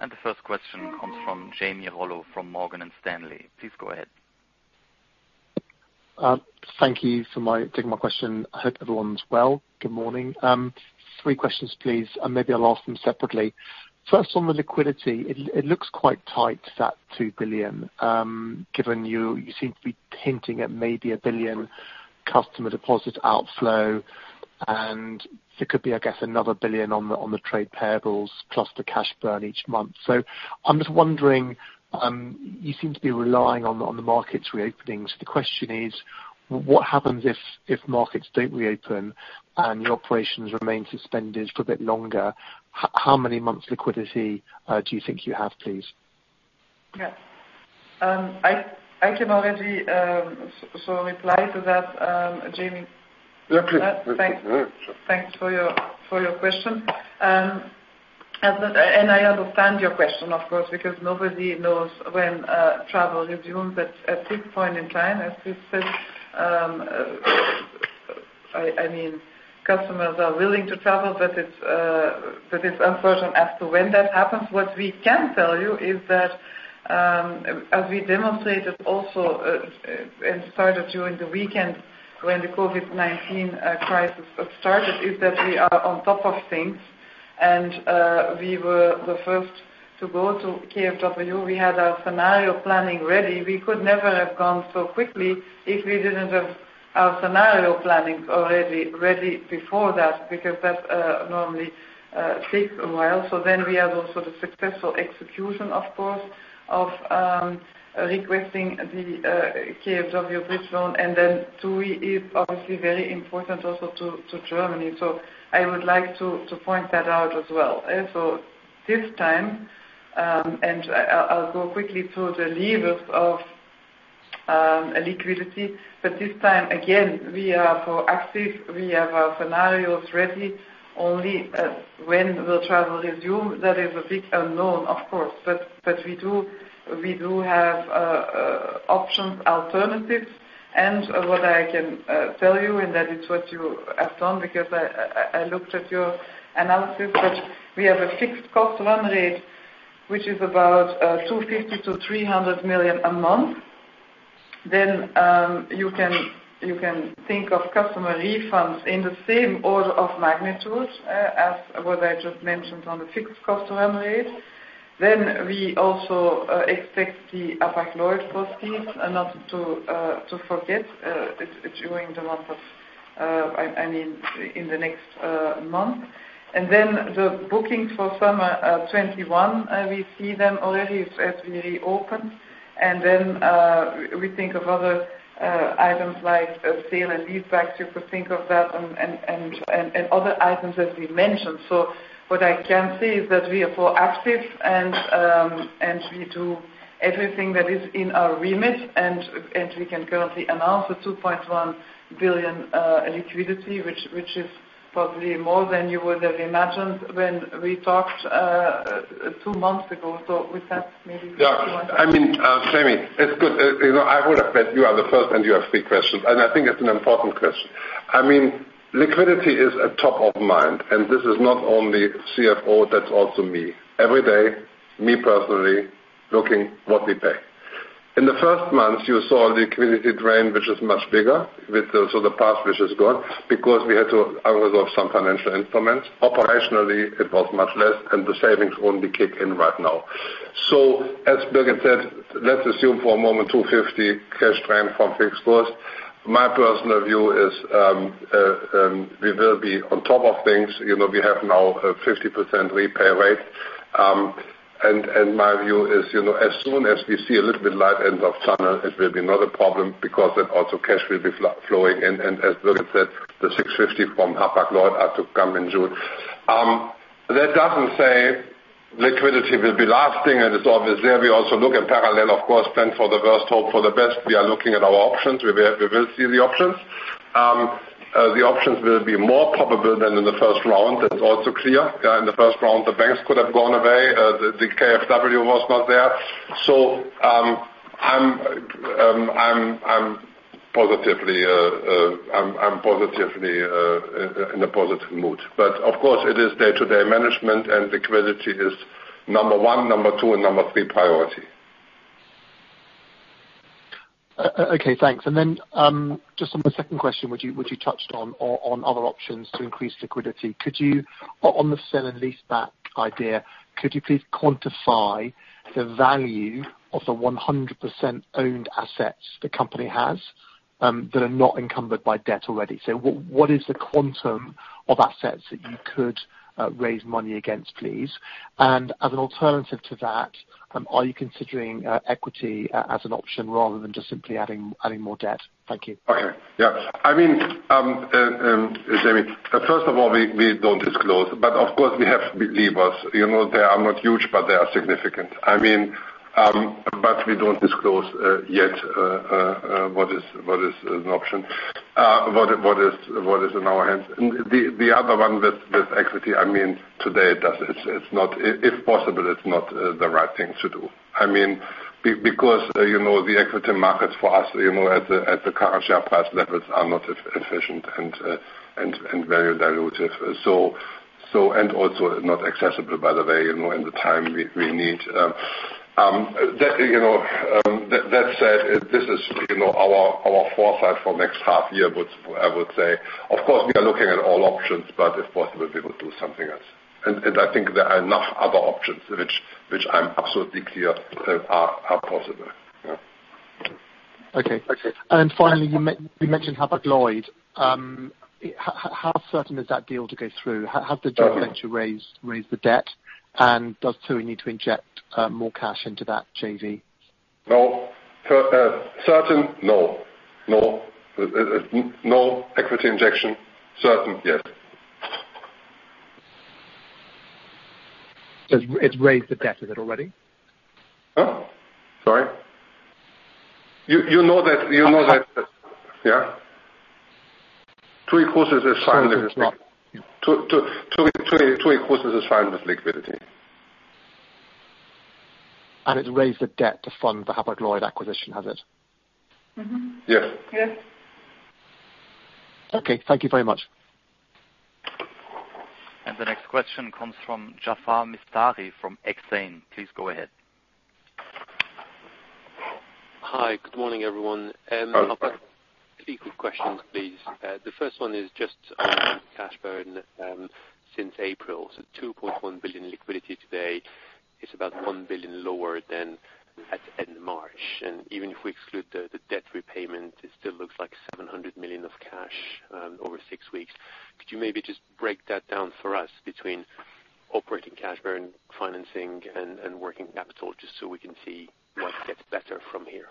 The first question comes from Jamie Rollo from Morgan Stanley. Please go ahead. Thank you for taking my question. I hope everyone's well. Good morning. Three questions, please, and maybe I'll ask them separately. First, on the liquidity, it looks quite tight, that 2 billion, given you seem to be hinting at maybe a billion customer deposits outflow, and there could be, I guess, another billion on the trade payables plus the cash burn each month. I'm just wondering, you seem to be relying on the markets reopening. The question is, what happens if markets don't reopen and your operations remain suspended for a bit longer? How many months liquidity do you think you have, please? I can already reply to that, Jamie. Yeah, please. Thanks for your question. I understand your question, of course, because nobody knows when travel resumes. At this point in time, as you said, customers are willing to travel, but it's uncertain as to when that happens. What we can tell you is that, as we demonstrated also, it started during the weekend when the COVID-19 crisis started, is that we are on top of things and we were the first to go to KfW. We had our scenario planning ready. We could never have gone so quickly if we didn't have our scenario planning already ready before that, because that normally takes a while. We have also the successful execution, of course, of requesting the KfW bridge loan. TUI is obviously very important also to Germany. I would like to point that out as well. I'll go quickly through the levers of liquidity, but this time, again, we are proactive. We have our scenarios ready. Only when will travel resume, that is a big unknown, of course, but we do have options, alternatives. What I can tell you, and that is what you have done, because I looked at your analysis, that we have a fixed cost run rate which is about 250 million-300 million a month. You can think of customer refunds in the same order of magnitude as what I just mentioned on the fixed cost run rate. We also expect the Hapag-Lloyd proceeds not to forget in the next month. The bookings for summer 2021, we see them already as we reopen. We think of other items like sale and leaseback, you could think of that, and other items that we mentioned. What I can say is that we are proactive and we do everything that is in our remit and we can currently announce a 2.1 billion liquidity, which is probably more than you would have imagined when we talked two months ago. Yeah. Jamie, it's good. I would have bet you are the first and you have three questions, and I think it's an important question. Liquidity is at top of mind, and this is not only CFO, that's also me. Every day, me personally looking what we pay. In the first months, you saw the liquidity drain, which is much bigger, so the past, which is gone, because we had to resolve some financial instruments. Operationally, it was much less and the savings only kick in right now. As Birgit said, let's assume for a moment 250 cash drain from fixed costs. My personal view is we will be on top of things. We have now a 50% repay rate. My view is as soon as we see a little bit light end of tunnel, it will be another problem because then also cash will be flowing in. As Birgit said, the 650 from Hapag-Lloyd are to come in June. That doesn't say liquidity will be lasting and it's obvious there. We also look at parallel, of course, plan for the worst, hope for the best. We are looking at our options. We will see the options. The options will be more probable than in the first round. That's also clear. In the first round, the banks could have gone away. The KfW was not there. I'm in a positive mood. Of course it is day-to-day management and liquidity is number one, number two, and number three priority. Okay, thanks. Just on the second question, which you touched on other options to increase liquidity. On the sale and leaseback idea, could you please quantify the value of the 100% owned assets the company has that are not encumbered by debt already? What is the quantum of assets that you could raise money against, please? As an alternative to that, are you considering equity as an option rather than just simply adding more debt? Thank you. Okay. Yeah. Jamie, first of all, we don't disclose. Of course we have levers. They are not huge. They are significant. We don't disclose yet what is an option, what is in our hands. The other one with equity, if possible, it's not the right thing to do. The equity markets for us at the current share price levels are not efficient and very dilutive. Also not accessible, by the way, in the time we need. That said, this is our foresight for next half year, I would say. Of course, we are looking at all options. If possible, we will do something else. I think there are enough other options, which I'm absolutely clear are possible. Yeah. Okay. Okay. Finally, you mentioned Hapag-Lloyd. How certain is that deal to go through? How did you expect to raise the debt? Does TUI need to inject more cash into that JV? No. Certain? No. No equity injection. Certain, yes. It's raised the debt, has it already? Huh? Sorry. You know that, yeah. TUI Cruises is fine with. Yes TUI Cruises is fine with liquidity. It's raised the debt to fund the Hapag-Lloyd acquisition, has it? Yes. Yes. Okay. Thank you very much. The next question comes from Jaafar Mestari from Exane. Please go ahead. Hi. Good morning, everyone. Hi. I've got three quick questions, please. The first one is just on cash burn since April. 2.1 billion liquidity today is about 1 billion lower than at the end of March. Even if we exclude the debt repayment, it still looks like 700 million of cash over six weeks. Could you maybe just break that down for us between operating cash burn, financing, and working capital, just so we can see what gets better from here?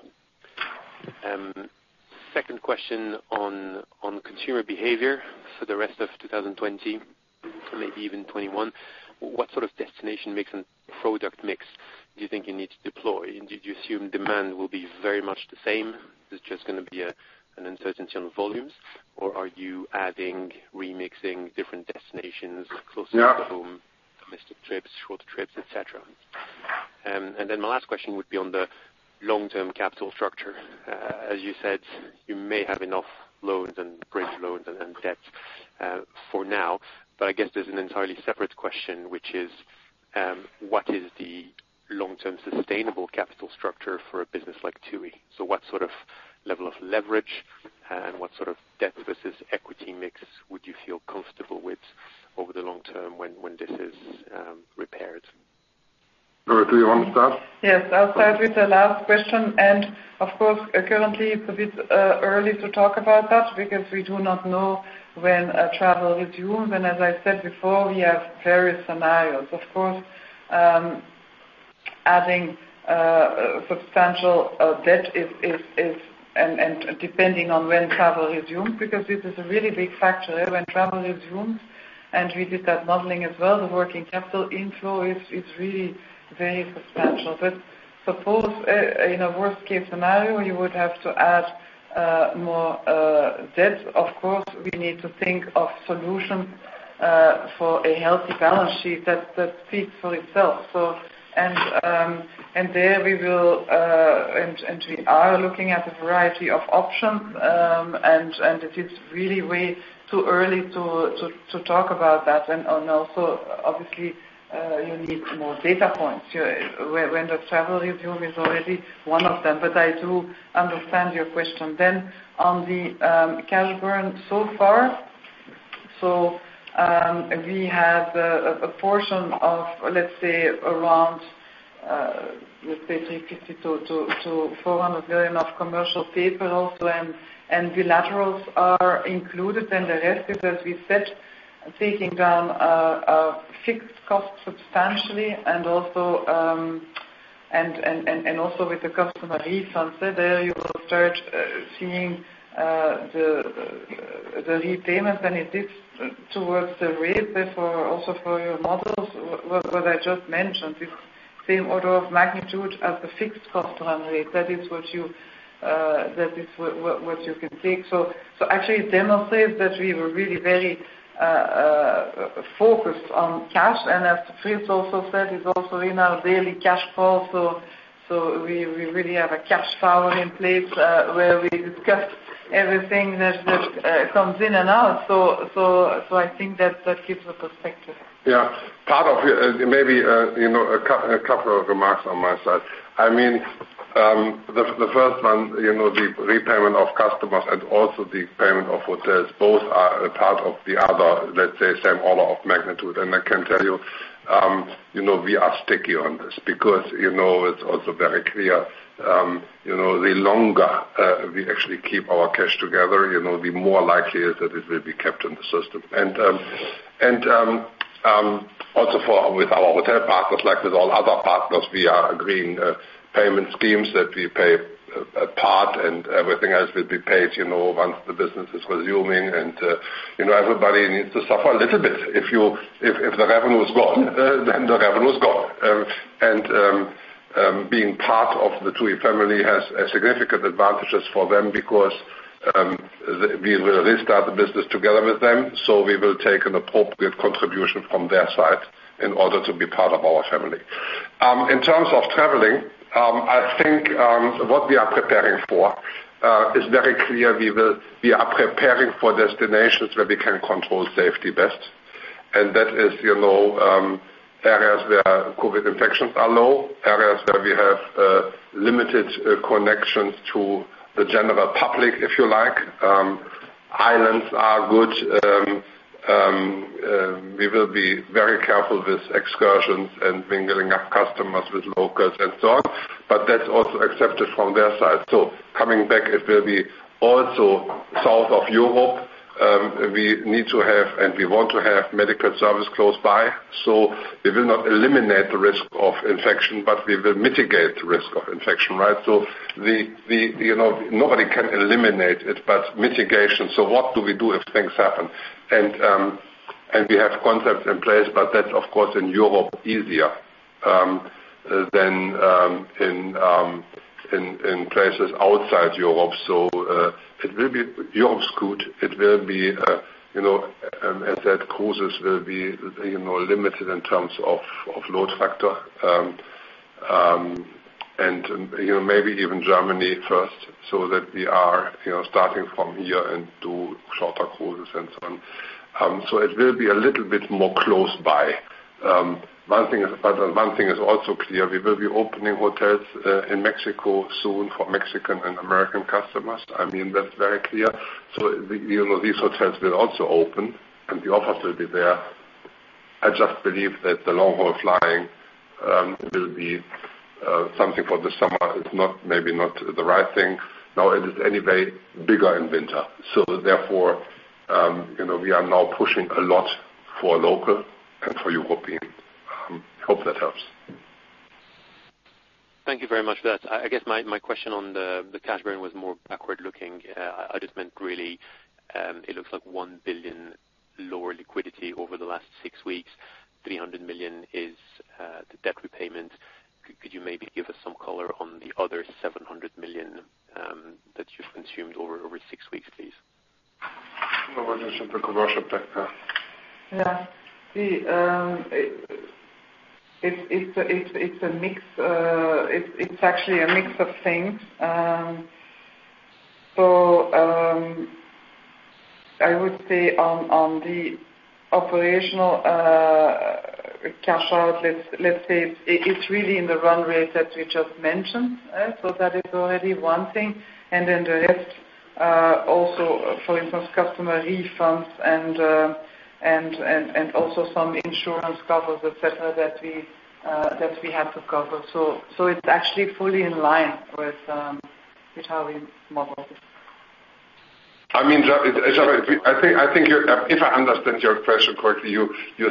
Second question on consumer behavior for the rest of 2020, maybe even 2021. What sort of destination mix and product mix do you think you need to deploy? Did you assume demand will be very much the same, it's just going to be an uncertainty on volumes? Are you adding, remixing different destinations closer to home, domestic trips, short trips, et cetera? My last question would be on the long-term capital structure. As you said, you may have enough loans and bridge loans and debt, for now, but I guess there's an entirely separate question, which is, what is the long-term sustainable capital structure for a business like TUI? What sort of level of leverage and what sort of debt versus equity mix would you feel comfortable with over the long term when this is repaired? Birgit, do you want to start? Yes, I'll start with the last question. Of course, currently it's a bit early to talk about that because we do not know when travel resumes, and as I said before, we have various scenarios. Of course, adding substantial debt and depending on when travel resumes, because this is a really big factor, when travel resumes, and we did that modeling as well, the working capital inflow is really very substantial. Suppose in a worst-case scenario, you would have to add more debt. Of course, we need to think of solutions for a healthy balance sheet that speaks for itself. We are looking at a variety of options, and it is really way too early to talk about that. Also, obviously, you need more data points. When does travel resume is already one of them, but I do understand your question. On the cash burn so far, we have a portion of, let's say around, let's say 350 million-400 million of commercial paper also and the laterals are included and the rest is, as we said, taking down fixed costs substantially and also with the customer refunds. There you will start seeing the repayments and it is towards the rate therefore also for your models, what I just mentioned, it's same order of magnitude as the fixed cost run rate. That is what you can take. Actually, it demonstrates that we were really very focused on cash, and as Fried also said, it's also in our daily cash call, so we really have a cash tower in place, where we discuss everything that comes in and out. I think that that gives a perspective. Yeah. Maybe a couple of remarks on my side. The first one, the repayment of customers and also the payment of hotels, both are a part of the other, let's say, same order of magnitude. I can tell you, we are sticky on this because it's also very clear the longer we actually keep our cash together, the more likely it that it will be kept in the system. Also with our hotel partners, like with all other partners, we are agreeing payment schemes that we pay a part and everything else will be paid once the business is resuming. Everybody needs to suffer a little bit. If the revenue is gone, then the revenue is gone. Being part of the TUI family has significant advantages for them because we will restart the business together with them. We will take an appropriate contribution from their side in order to be part of our family. In terms of traveling, I think what we are preparing for is very clear. We are preparing for destinations where we can control safety best, and that is areas where COVID infections are low, areas where we have limited connections to the general public, if you like. Islands are good. We will be very careful with excursions and mingling up customers with locals and so on. That's also accepted from their side. Coming back, it will be also south of Europe. We need to have, and we want to have medical service close by. We will not eliminate the risk of infection, but we will mitigate the risk of infection, right? Nobody can eliminate it, but mitigation. What do we do if things happen? We have concepts in place, but that, of course, in Europe, easier than in places outside Europe. It will be Europe's good. As I said, cruises will be limited in terms of load factor, and maybe even Germany first, so that we are starting from here and do shorter cruises and so on. It will be a little bit more close by. One thing is also clear, we will be opening hotels in Mexico soon for Mexican and American customers. That's very clear. These hotels will also open, and the offers will be there. I just believe that the long-haul flying will be something for the summer. It's maybe not the right thing. Now, it is anyway bigger in winter. Therefore, we are now pushing a lot for local and for European. Hope that helps. Thank you very much for that. I guess my question on the cash burn was more backward-looking. I just meant really, it looks like 1 billion lower liquidity over the last six weeks, 300 million is the debt repayment. Could you maybe give us some color on the other 700 million that you've consumed over six weeks, please? It's actually a mix of things. I would say on the operational cash out, let's say it's really in the run rate that we just mentioned. That is already one thing. The rest, also, for instance, customer refunds and also some insurance covers, et cetera, that we had to cover. It's actually fully in line with how we modeled it. I think, if I understand your question correctly, you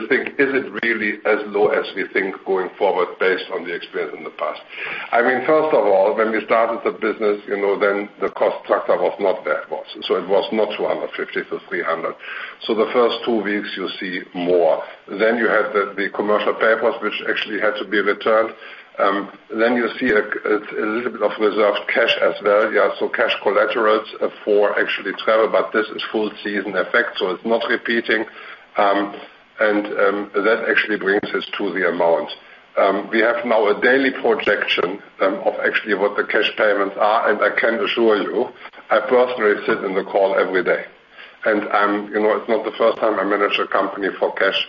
think, is it really as low as we think going forward based on the experience in the past? First of all, when we started the business, then the cost structure was not that worse. It was not 250-300. The first two weeks you'll see more. You had the commercial papers which actually had to be returned. You see a little bit of reserved cash as well. Cash collaterals for actual travel, but this is full season effect, so it's not repeating. That actually brings us to the amount. We have now a daily projection of actually what the cash payments are, and I can assure you, I personally sit in the call every day. It's not the first time I manage a company for cash.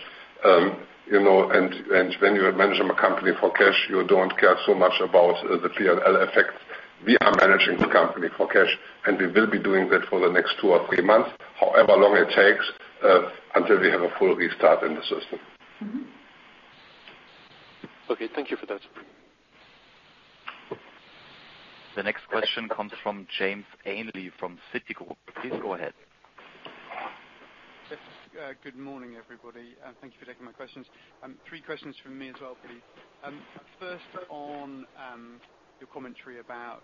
When you manage a company for cash, you don't care so much about the P&L effects. We are managing the company for cash, and we will be doing that for the next two or three months, however long it takes, until we have a full restart in the system. Okay. Thank you for that. The next question comes from James Ainley from Citigroup. Please go ahead. Good morning, everybody. Thank you for taking my questions. Three questions from me as well, please. First on your commentary about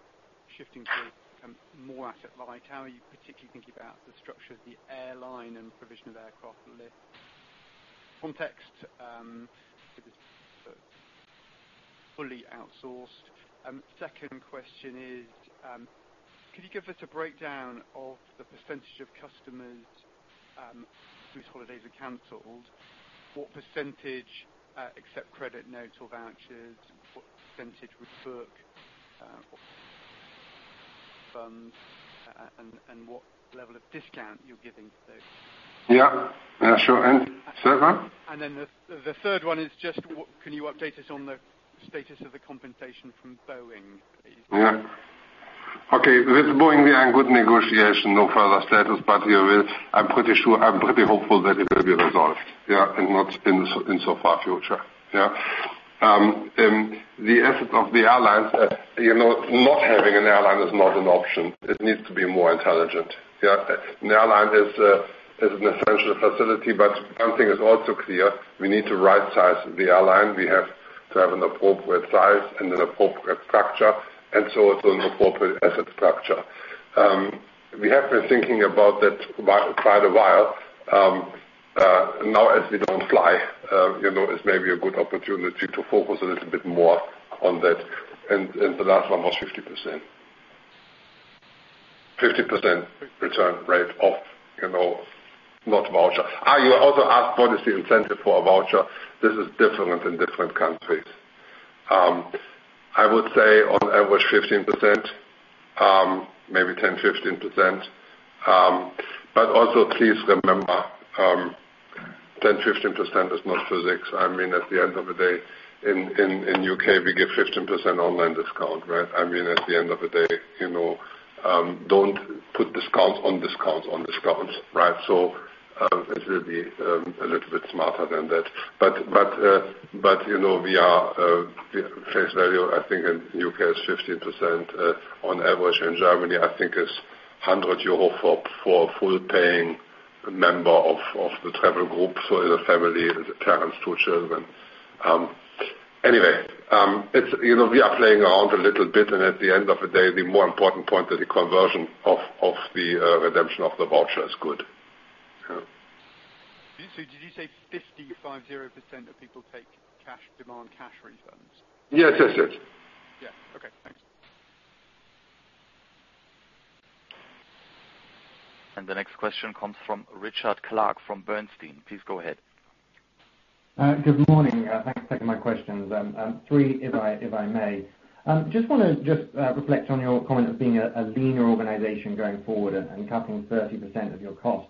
shifting to more asset light, how are you particularly thinking about the structure of the airline and provision of aircraft lift context? Because it's fully outsourced. Second question is, could you give us a breakdown of the percentage of customers whose holidays are canceled? What % accept credit notes or vouchers? What % would book refunds? What level of discount you're giving to those? Yeah. Sure. Third one? The third one is just, can you update us on the status of the compensation from Boeing, please? Okay. With Boeing, we are in good negotiation. No further status, I'm pretty hopeful that it will be resolved in so far future. The assets of the airlines, not having an airline is not an option. It needs to be more intelligent. An airline is an essential facility, one thing is also clear, we need to right-size the airline. We have to have an appropriate size and an appropriate structure, it's an appropriate asset structure. We have been thinking about that quite a while. Now as we don't fly, it's maybe a good opportunity to focus a little bit more on that. The last one was 50% return rate of not voucher. You also asked policy incentive for a voucher. This is different in different countries. I would say on average 15%, maybe 10, 15%. Also please remember, 10%, 15% is not physics. At the end of the day, in U.K., we give 15% online discount. At the end of the day, don't put discounts on discounts on discounts. This will be a little bit smarter than that. We are face value, I think in U.K. is 15% on average. In Germany, I think it's 100 euro for a full-paying member of the travel group. As a family, as a parents, two children. Anyway, we are playing around a little bit, and at the end of the day, the more important point is the conversion of the redemption of the voucher is good. Did you say 50% of people take demand cash refunds? Yes. Yeah. Okay. Thanks. The next question comes from Richard Clarke from Bernstein. Please go ahead. Good morning. Thanks for taking my questions. Three if I may. Just want to reflect on your comment of being a leaner organization going forward and cutting 30% of your cost.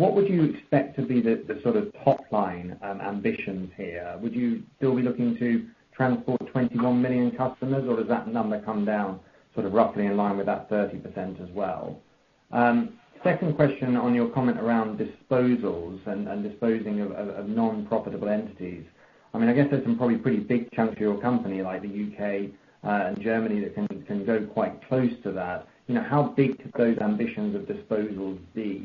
What would you expect to be the sort of top-line ambitions here? Would you still be looking to transport 21 million customers, or does that number come down sort of roughly in line with that 30% as well? Second question on your comment around disposals and disposing of non-profitable entities. I guess there's some probably pretty big chunks of your company, like the U.K. and Germany that can go quite close to that. How big could those ambitions of disposals be?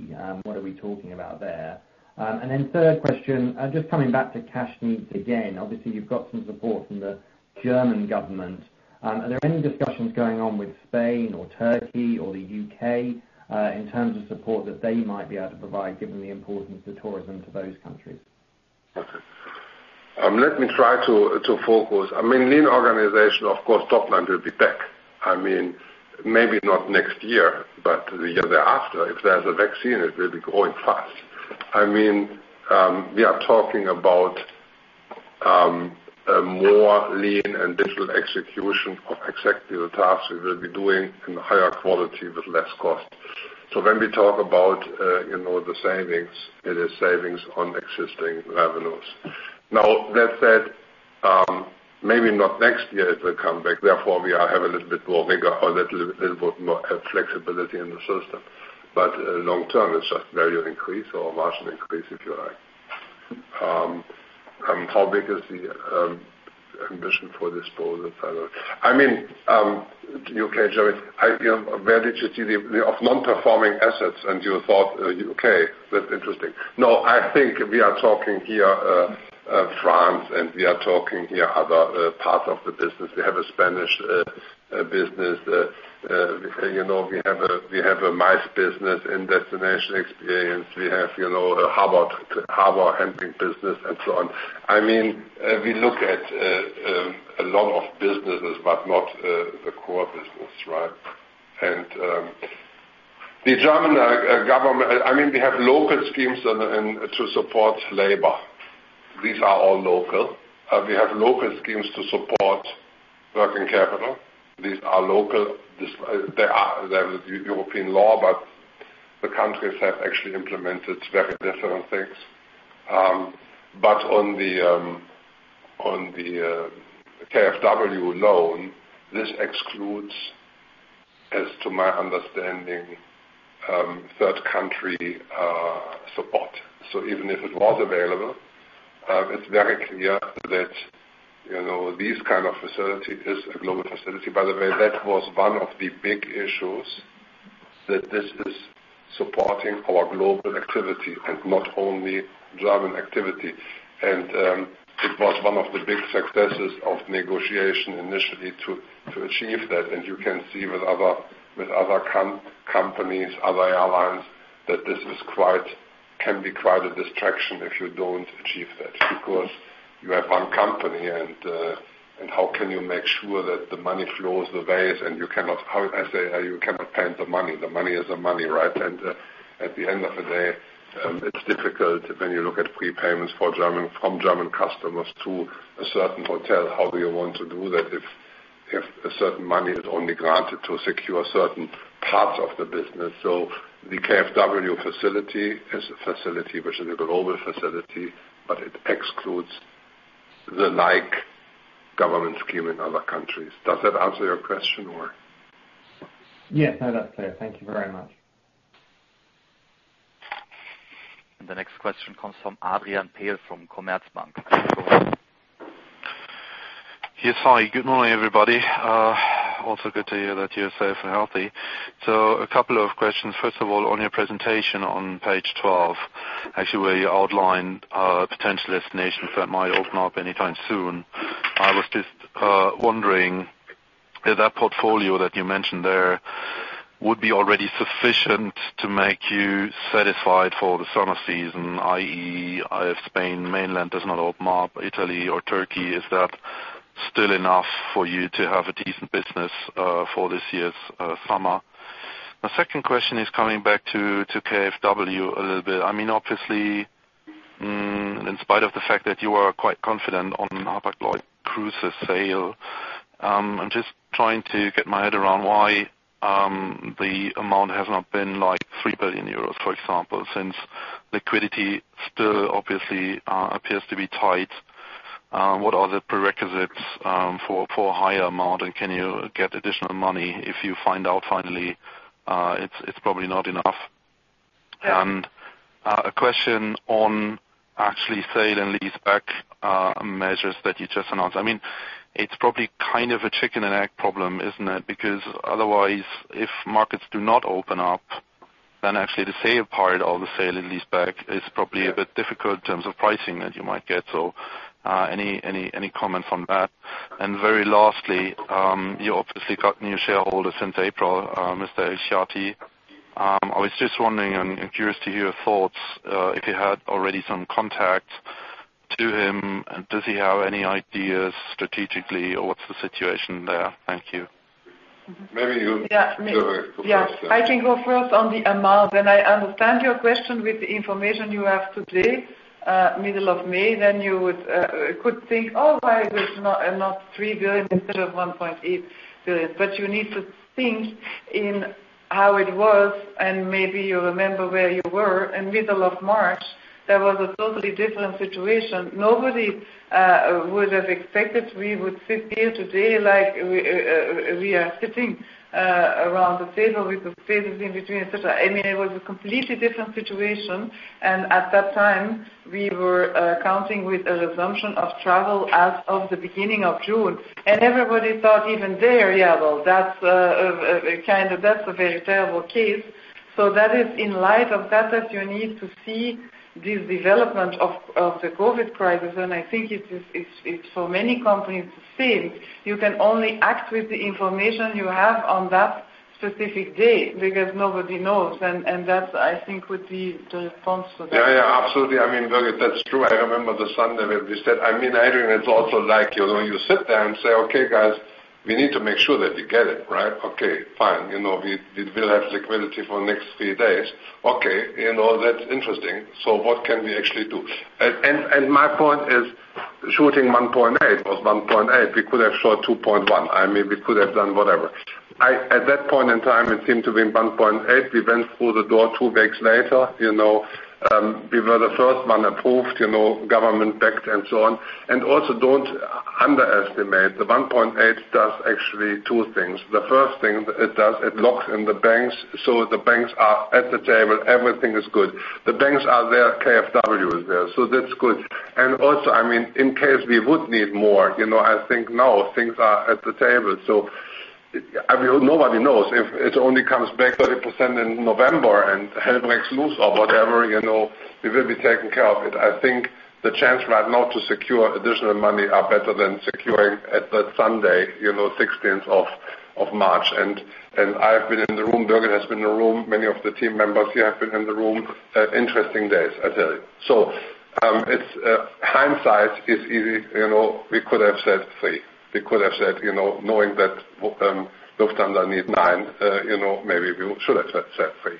What are we talking about there? Third question, just coming back to cash needs again. Obviously, you've got some support from the German government. Are there any discussions going on with Spain or Turkey or the U.K., in terms of support that they might be able to provide given the importance of tourism to those countries? Okay. Let me try to focus. Lean organization, of course, topline will be back, maybe not next year, but the year thereafter. If there's a vaccine, it will be growing fast. We are talking about a more lean and digital execution of exactly the tasks we will be doing in a higher quality with less cost. When we talk about the savings, it is savings on existing revenues. That said, maybe not next year it will come back. Therefore, we have a little bit more flexibility in the system. Long-term, it's just value increase or margin increase, if you like. How big is the ambition for disposal? U.K., Germany, where did you see the non-performing assets and you thought, okay, that's interesting. I think we are talking here France, and we are talking here other parts of the business. We have a Spanish business. We have a MICE business and destination experience. We have a harbor handling business and so on. We look at a lot of businesses, but not the core business. We have local schemes to support labor. These are all local. We have local schemes to support working capital. These are local. They have European law, the countries have actually implemented very different things. On the KfW loan, this excludes, as to my understanding, third country support. Even if it was available, it's very clear that these kind of facility is a global facility. By the way, that was one of the big issues that this is supporting our global activity and not only German activity. It was one of the big successes of negotiation initially to achieve that. You can see with other companies, other airlines, that this can be quite a distraction if you don't achieve that. You have one company, and how can you make sure that the money flows the ways and you cannot pay the money? The money is the money. At the end of the day, it's difficult when you look at prepayments from German customers to a certain hotel. How do you want to do that if a certain money is only granted to secure certain parts of the business? The KfW facility is a facility which is a global facility, but it excludes the like government scheme in other countries. Does that answer your question? Yes. That's clear. Thank you very much. The next question comes from Adrian Pehl from Commerzbank. Yes. Hi, good morning, everybody. Also good to hear that you're safe and healthy. A couple of questions. First of all, on your presentation on page 12, actually where you outlined potential destinations that might open up anytime soon. I was just wondering if that portfolio that you mentioned there would be already sufficient to make you satisfied for the summer season, i.e., if Spain mainland does not open up, Italy or Turkey. Is that still enough for you to have a decent business for this year's summer. My second question is coming back to KfW a little bit. Obviously, in spite of the fact that you are quite confident on Hapag-Lloyd Cruises sale, I'm just trying to get my head around why the amount has not been 3 billion euros, for example, since liquidity still obviously appears to be tight. What are the prerequisites for a higher amount, and can you get additional money if you find out finally it's probably not enough? A question on actually sale and lease back measures that you just announced. It's probably a chicken and egg problem, isn't it? Otherwise, if markets do not open up, then actually the sale part of the sale and lease back is probably a bit difficult in terms of pricing that you might get. Any comment on that? Very lastly, you obviously got new shareholders since April, Mr. El Chiaty. I was just wondering and curious to hear your thoughts, if you had already some contacts to him and does he have any ideas strategically or what's the situation there? Thank you. Maybe you go first. Yeah. I can go first on the amount. I understand your question with the information you have today, middle of May, you could think, oh, why is it not 3 billion instead of 1.8 billion? You need to think in how it was. Maybe you remember where you were in middle of March, there was a totally different situation. Nobody would have expected we would sit here today like we are sitting around the table with the spaces in between, et cetera. It was a completely different situation. At that time, we were counting with a resumption of travel as of the beginning of June. Everybody thought even there, yeah, well, that's a very terrible case. That is in light of that you need to see this development of the COVID-19 crisis. I think it's for many companies the same. You can only act with the information you have on that specific day because nobody knows. That, I think, would be the response to that. Yeah, absolutely. Birgit, that's true. I remember the Sunday where we said Adrian, it's also like, you sit there and say, "Okay, guys, we need to make sure that we get it, right? Okay, fine. We will have liquidity for the next three days. Okay. That's interesting. What can we actually do?" My point is shooting 1.8 was 1.8. We could have shot 2.1. We could have done whatever. At that point in time, it seemed to be 1.8. We went through the door two weeks later. We were the first one approved, government backed, and so on. Also don't underestimate, the 1.8 does actually two things. The first thing it does, it locks in the banks, the banks are at the table. Everything is good. The banks are there, KfW is there, that's good. In case we would need more, I think now things are at the table. Nobody knows. If it only comes back 30% in November and hell breaks loose or whatever, we will be taking care of it. I think the chance right now to secure additional money are better than securing at that Sunday, 16th of March. I have been in the room, Birgit has been in the room, many of the team members here have been in the room. Interesting days, I tell you. Hindsight is easy. We could have said 3. We could have said, knowing that Lufthansa need 9, maybe we should have said 3.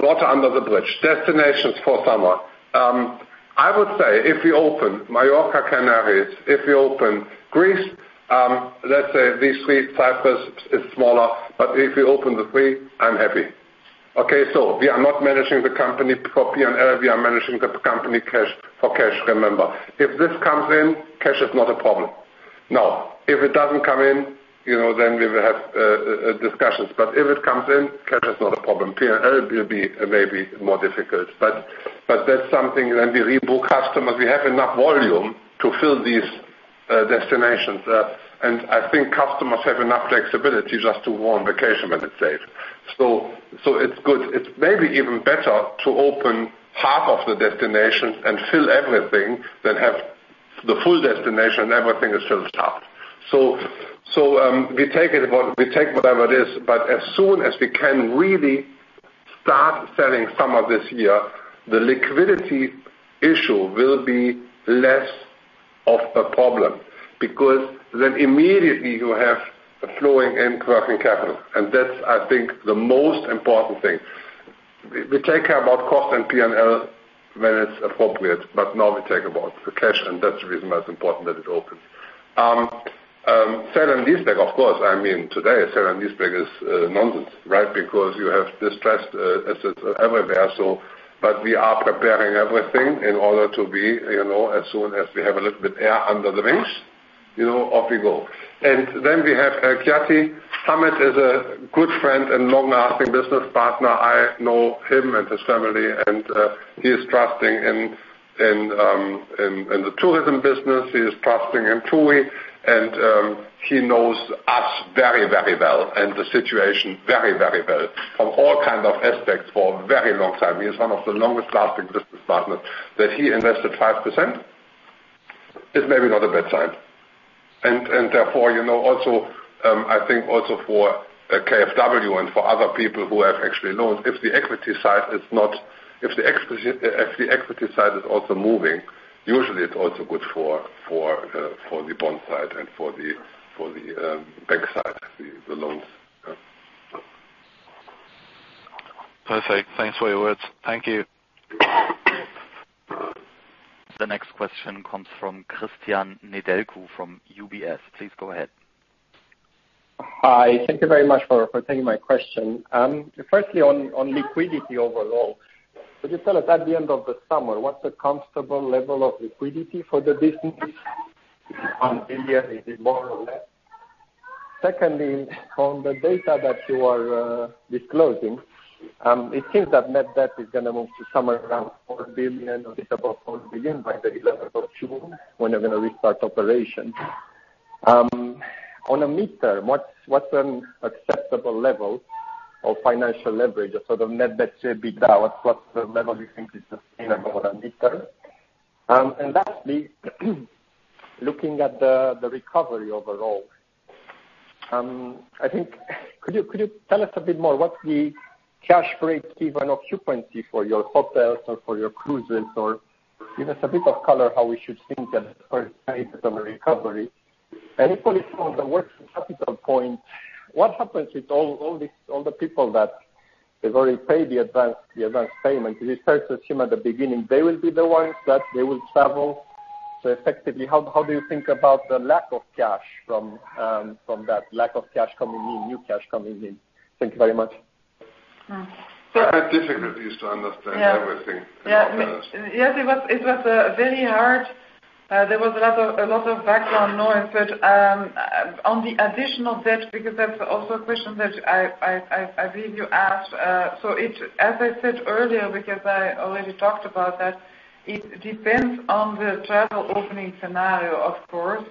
Water under the bridge. Destinations for summer. I would say if we open Mallorca, Canaries, if we open Greece, let's say these three, Cyprus is smaller, but if we open the three, I am happy. Okay. We are not managing the company for P&L, we are managing the company for cash, remember. If this comes in, cash is not a problem. If it doesn't come in, then we will have discussions. If it comes in, cash is not a problem. P&L will be maybe more difficult. That's something when we rebook customers, we have enough volume to fill these destinations. I think customers have enough flexibility just to go on vacation when it's safe. It's good. It's maybe even better to open half of the destinations and fill everything than have the full destination and everything is still stopped. We take whatever it is. As soon as we can really start selling summer this year, the liquidity issue will be less of a problem because then immediately you have a flowing and working capital. That's, I think, the most important thing. We take care about cost and P&L when it's appropriate, but now we take about the cash, and that's the reason why it's important that it opens. Sale and lease back, of course, today, sale and lease back is nonsense, right? Because you have distressed assets everywhere. We are preparing everything in order to be, as soon as we have a little bit air under the wings, off we go. Then we have El Chiaty. Hamed is a good friend and long-lasting business partner. I know him and his family, and he is trusting in the tourism business. He is trusting in TUI, and he knows us very, very well and the situation very, very well from all kind of aspects for a very long time. He is one of the longest lasting business partners. That he invested 5% is maybe not a bad sign. Therefore, I think also for KfW and for other people who have actually loaned, if the equity side is also moving, usually it's also good for the bond side and for the bank side, the loans. Perfect. Thanks for your words. Thank you. The next question comes from Cristian Nedelcu from UBS. Please go ahead. Hi. Thank you very much for taking my question. Firstly, on liquidity overall, could you tell us at the end of the summer, what's a comfortable level of liquidity for the businesses? 1 billion, is it more or less? Secondly, on the data that you are disclosing, it seems that net debt is going to move to somewhere around 4 billion or a bit above 4 billion by the 11th of June when you're going to restart operations. On a metric, what's an acceptable level of financial leverage or sort of net debt EBITDA? What level you think is sustainable on a metric? Lastly, looking at the recovery overall, could you tell us a bit more what the cash break-even occupancy for your hotels or for your cruises, or give us a bit of color how we should think at first stages of a recovery? Equally from the working capital point, what happens with all the people that have already paid the advanced payment? Is it fair to assume at the beginning they will be the ones that they will travel? Effectively, how do you think about the lack of cash from that lack of cash coming in, new cash coming in? Thank you very much. I had difficulties to understand everything, to be honest. Yes, it was very hard. There was a lot of background noise. On the additional debt, because that's also a question that I believe you asked. As I said earlier, because I already talked about that, it depends on the travel opening scenario, of course.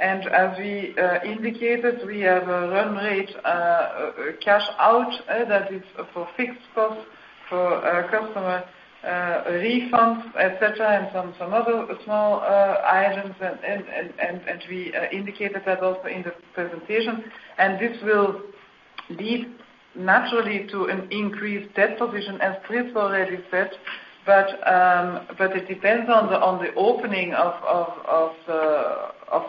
As we indicated, we have a run rate cash out that is for fixed costs for customer refunds, et cetera, and some other small items, and we indicated that also in the presentation. This will lead naturally to an increased debt provision as Fried already said. It depends on the opening of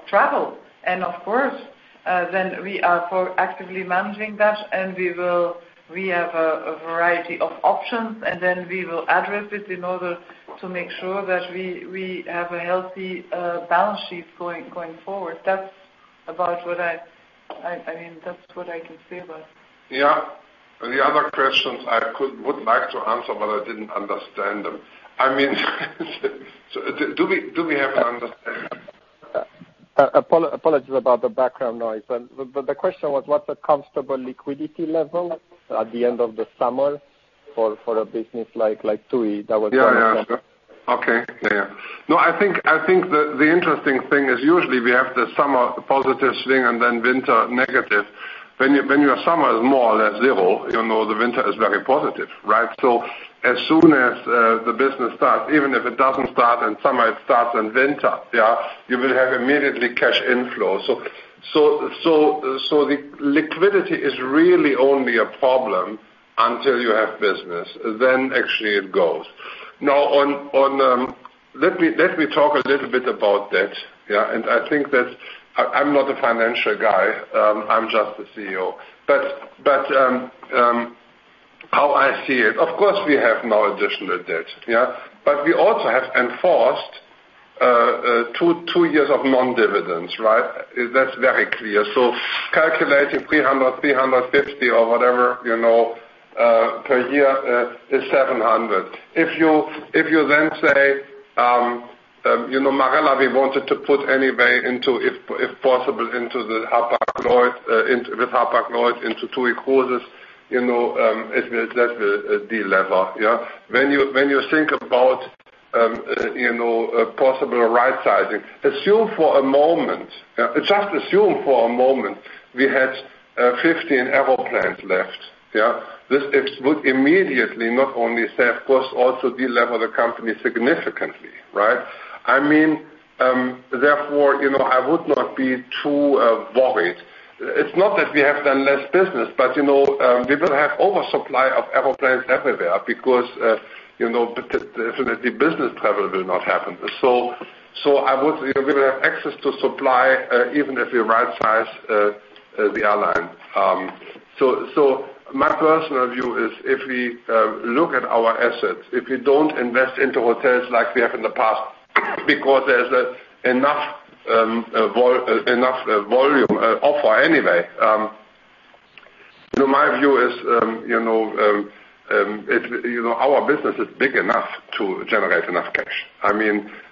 travel. Of course, then we are actively managing that, and we have a variety of options, and then we will address it in order to make sure that we have a healthy balance sheet going forward. That's what I can say about it. Yeah. The other questions I would like to answer, but I didn't understand them. Do we have an understanding? Apologies about the background noise. The question was, what's a comfortable liquidity level at the end of the summer for a business like TUI? Yeah. Okay. No, I think the interesting thing is usually we have the summer positive swing and then winter negative. When your summer is more or less zero, you know the winter is very positive, right? As soon as the business starts, even if it doesn't start in summer, it starts in winter, you will have immediately cash inflow. The liquidity is really only a problem until you have business. Actually it goes. Now, let me talk a little bit about debt. I'm not a financial guy, I'm just a CEO. How I see it, of course, we have no additional debt. We also have enforced two years of non-dividends. That's very clear. Calculating 300, 350 or whatever per year is 700. If you then say, Marella we wanted to put anyway, if possible with Hapag-Lloyd into TUI Cruises, that will de-lever. When you think about possible rightsizing. Just assume for a moment we had 15 airplanes left. This would immediately not only save cost, also de-lever the company significantly. Therefore, I would not be too worried. It's not that we have done less business, but we will have oversupply of airplanes everywhere because definitely business travel will not happen. We will have access to supply even if we rightsize the airline. My personal view is if we look at our assets, if we don't invest into hotels like we have in the past because there's enough volume offer anyway. My view is our business is big enough to generate enough cash.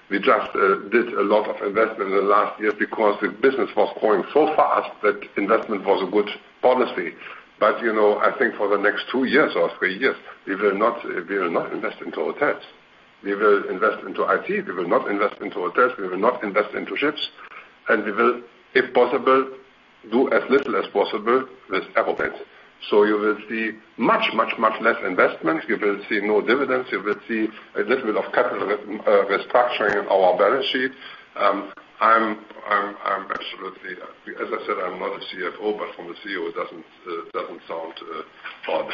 We just did a lot of investment in the last years because the business was growing so fast that investment was a good policy. I think for the next two years or three years, we will not invest into hotels. We will invest into IT, we will not invest into hotels, we will not invest into ships, we will, if possible, do as little as possible with aircraft. You will see much less investment. You will see no dividends. You will see a little bit of capital restructuring in our balance sheet. As I said, I'm not a CFO, from a CEO, it doesn't sound odd.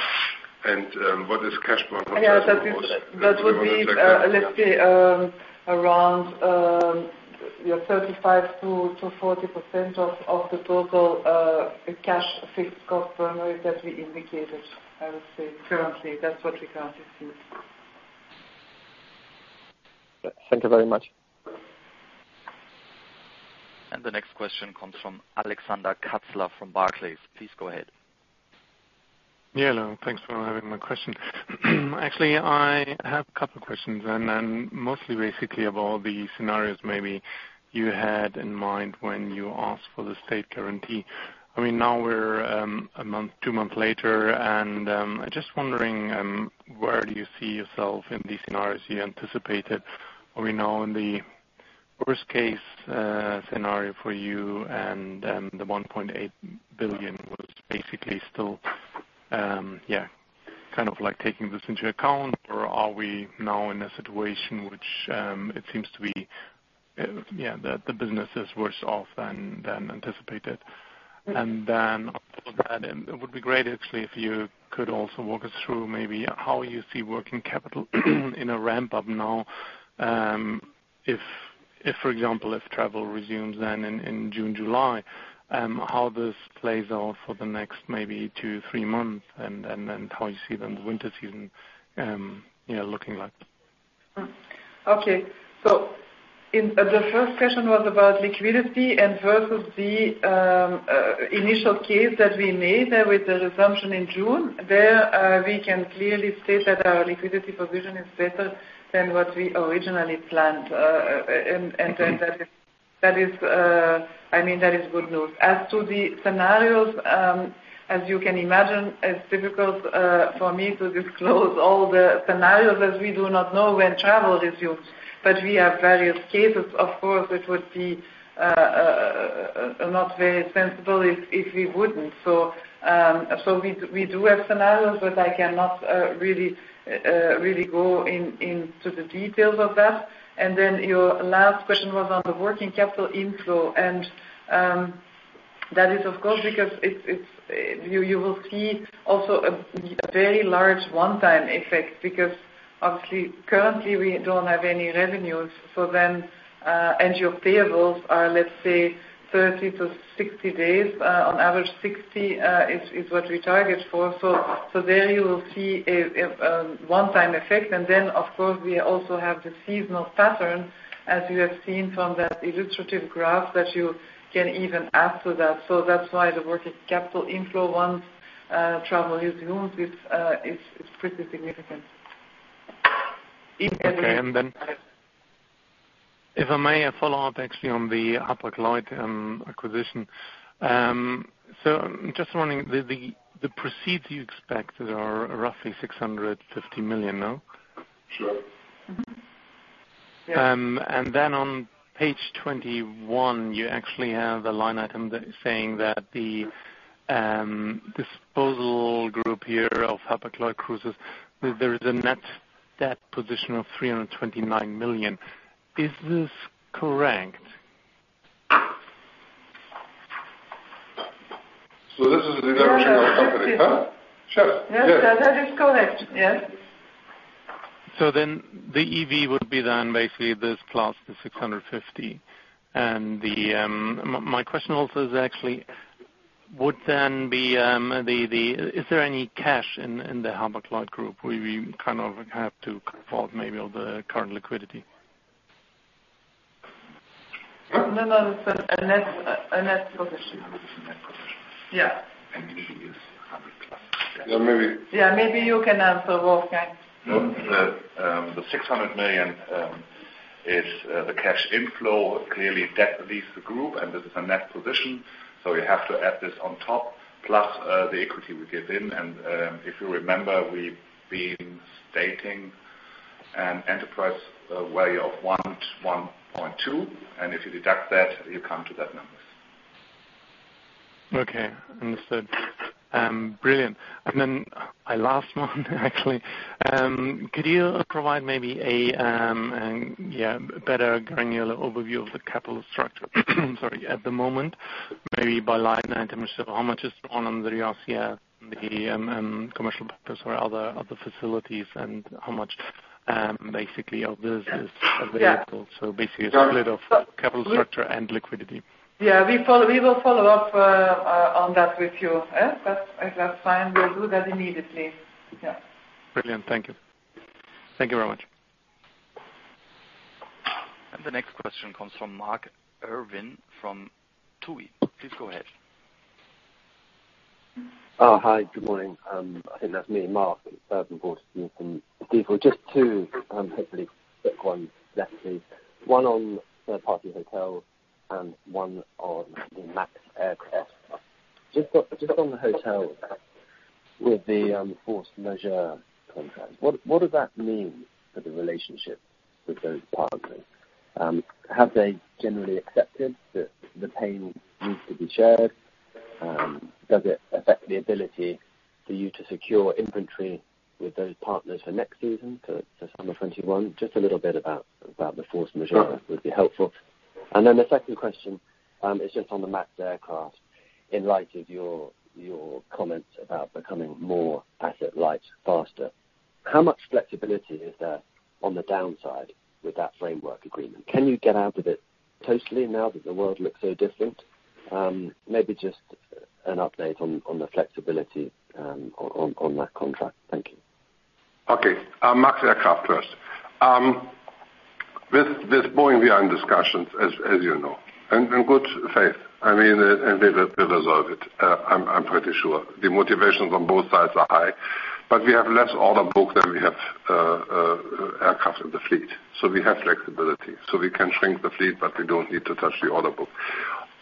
What is cash burn? Yeah. That would be, let's say, around 35%-40% of the total cash fixed cost burn rate that we indicated, I would say currently, that's what we currently see. Thank you very much. The next question comes from [Alexander Katzela] from Barclays. Please go ahead. Yeah. Hello. Thanks for having my question. Actually, I have a couple questions and mostly basically of all the scenarios maybe you had in mind when you asked for the state guarantee. Now we're a month, two months later, and I'm just wondering, where do you see yourself in these scenarios you anticipated? Are we now in the worst-case scenario for you and the 1.8 billion was basically still taking this into account, or are we now in a situation which it seems to be that the business is worse off than anticipated? On top of that, it would be great actually if you could also walk us through maybe how you see working capital in a ramp-up now, if for example, if travel resumes then in June, July, how this plays out for the next maybe two, three months and then how you see then the winter season looking like. Okay. The first question was about liquidity versus the initial case that we made with the resumption in June. There, we can clearly state that our liquidity provision is better than what we originally planned. That is good news. As to the scenarios, as you can imagine, it's difficult for me to disclose all the scenarios as we do not know when travel resumes, we have various cases. Of course, it would be not very sensible if we wouldn't. We do have scenarios, but I cannot really go into the details of that. Your last question was on the working capital inflow. That is, of course, because you will see also a very large one-time effect because obviously currently we don't have any revenues. And your payables are, let's say, 30 to 60 days. On average, 60 is what we target for. There you will see a one-time effect. Of course, we also have the seasonal pattern, as you have seen from that illustrative graph that you can even add to that. That's why the working capital inflow, once travel resumes, is pretty significant. Okay. If I may, a follow-up actually on the Hapag-Lloyd acquisition. Just wondering, the proceeds you expected are roughly 650 million, no? Sure. On page 21, you actually have a line item that is saying that the disposal group here of Hapag-Lloyd Cruises, there is a net debt position of 329 million. Is this correct? This is the direction of the company, huh? Sure. Yes, that is correct. Yes. The EV would be then basically this plus the 650. My question also is actually, is there any cash in the Hapag-Lloyd group we have to involve maybe on the current liquidity? No, that's a net position. Yeah. Yeah, maybe you can answer, [Wolfgang]. The 600 million is the cash inflow, clearly debt leaves the group. This is a net position. You have to add this on top plus the equity we give in. If you remember, we've been stating an enterprise value of 1-1.2. If you deduct that, you come to that number. Okay. Understood. Brilliant. My last one, actually. Could you provide maybe a better granular overview of the capital structure at the moment, maybe by line item, how much is on the commercial paper or other facilities and how much basically of this is available. Basically a split of capital structure and liquidity. Yeah, we will follow up on that with you. Is that fine? We'll do that immediately. Yeah. Brilliant. Thank you. Thank you very much. The next question comes from Mark Irvine from TUI. Please go ahead. Hi, good morning. I think that's me, Mark Irvine, from Stifel. Just two hopefully quick ones, lastly. One on third-party hotels and one on the MAX aircraft. Just on the hotels. With the force majeure contract, what does that mean for the relationship with those partners? Have they generally accepted that the pain needs to be shared? Does it affect the ability for you to secure inventory with those partners for next season, so summer 2021? Just a little bit about the force majeure would be helpful. The second question is just on the MAX aircraft. In light of your comments about becoming more asset light faster, how much flexibility is there on the downside with that framework agreement? Can you get out of it totally now that the world looks so different? Maybe just an update on the flexibility on that contract. Thank you. Okay. MAX aircraft first. With Boeing, we are in discussions, as you know, in good faith. We will resolve it, I'm pretty sure. The motivations on both sides are high, but we have less order book than we have aircraft in the fleet. We have flexibility. We can shrink the fleet, but we don't need to touch the order book.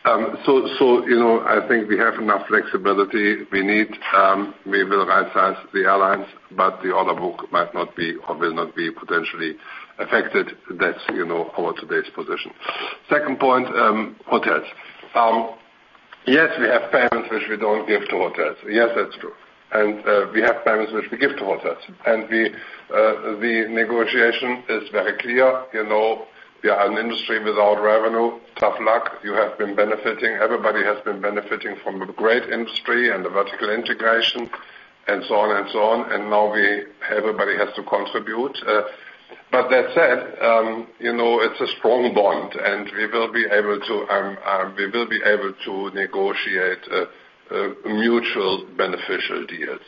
I think we have enough flexibility we need. We will right-size the airlines, but the order book might not be, or will not be potentially affected. That's our today's position. Second point, hotels. Yes, we have payments which we don't give to hotels. Yes, that's true. We have payments which we give to hotels. The negotiation is very clear. We are an industry without revenue. Tough luck. You have been benefiting. Everybody has been benefiting from a great industry and the vertical integration, and so on and so on. Now everybody has to contribute. That said, it's a strong bond, and we will be able to negotiate mutual beneficial deals.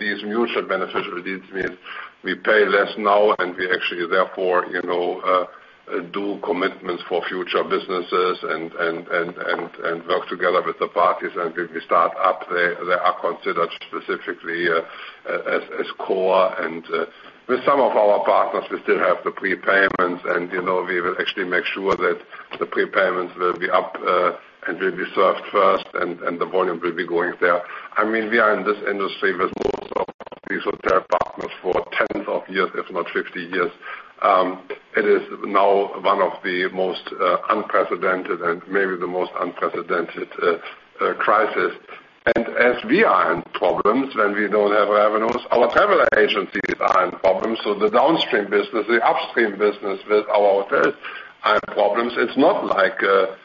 These mutual beneficial deals means we pay less now, and we actually therefore do commitments for future businesses and work together with the parties. When we start up, they are considered specifically as core. With some of our partners, we still have the prepayments, and we will actually make sure that the prepayments will be up and will be served first, and the volume will be going there. We are in this industry with most of these hotel partners for tens of years, if not 50 years. It is now one of the most unprecedented, and maybe the most unprecedented crisis. As we are in problems when we don't have revenues, our travel agencies are in problems. The downstream business, the upstream business with our hotels are in problems. It's not like a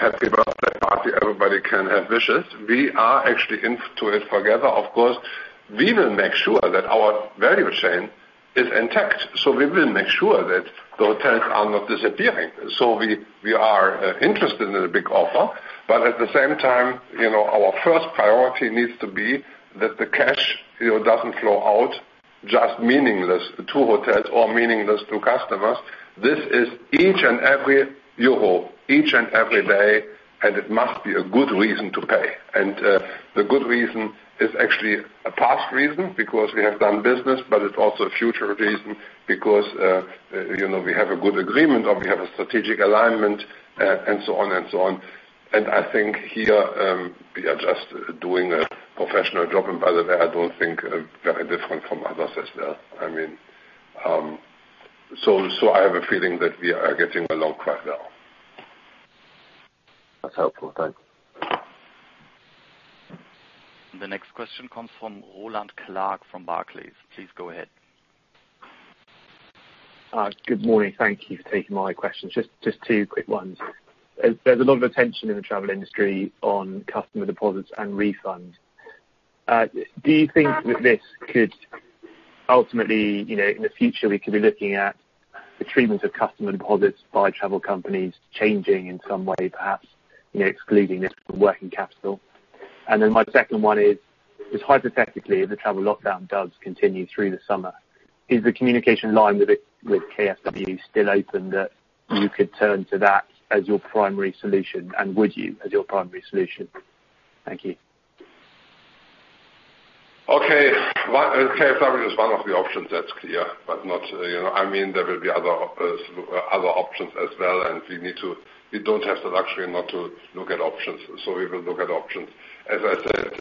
happy birthday party, everybody can have wishes. We are actually into it together. Of course, we will make sure that our value chain is intact. We will make sure that the hotels are not disappearing. We are interested in a big offer. At the same time, our first priority needs to be that the cash doesn't flow out just meaningless to hotels or meaningless to customers. This is each and every euro, each and every day, and it must be a good reason to pay. The good reason is actually a past reason because we have done business, but it's also a future reason because we have a good agreement or we have a strategic alignment, and so on and so on. I think here, we are just doing a professional job. By the way, I don't think very different from others as well. I have a feeling that we are getting along quite well. That's helpful. Thanks. The next question comes from Rowland Clark from Barclays. Please go ahead. Good morning. Thank you for taking my questions. Just two quick ones. There is a lot of attention in the travel industry on customer deposits and refunds. Do you think that this could ultimately, in the future, we could be looking at the treatment of customer deposits by travel companies changing in some way, perhaps excluding this from working capital? Then my second one is, hypothetically, if the travel lockdown does continue through the summer, is the communication line with KfW still open, that you could turn to that as your primary solution? Would you as your primary solution? Thank you. Okay. KfW is one of the options, that's clear. There will be other options as well. We don't have the luxury not to look at options. We will look at options. As I said,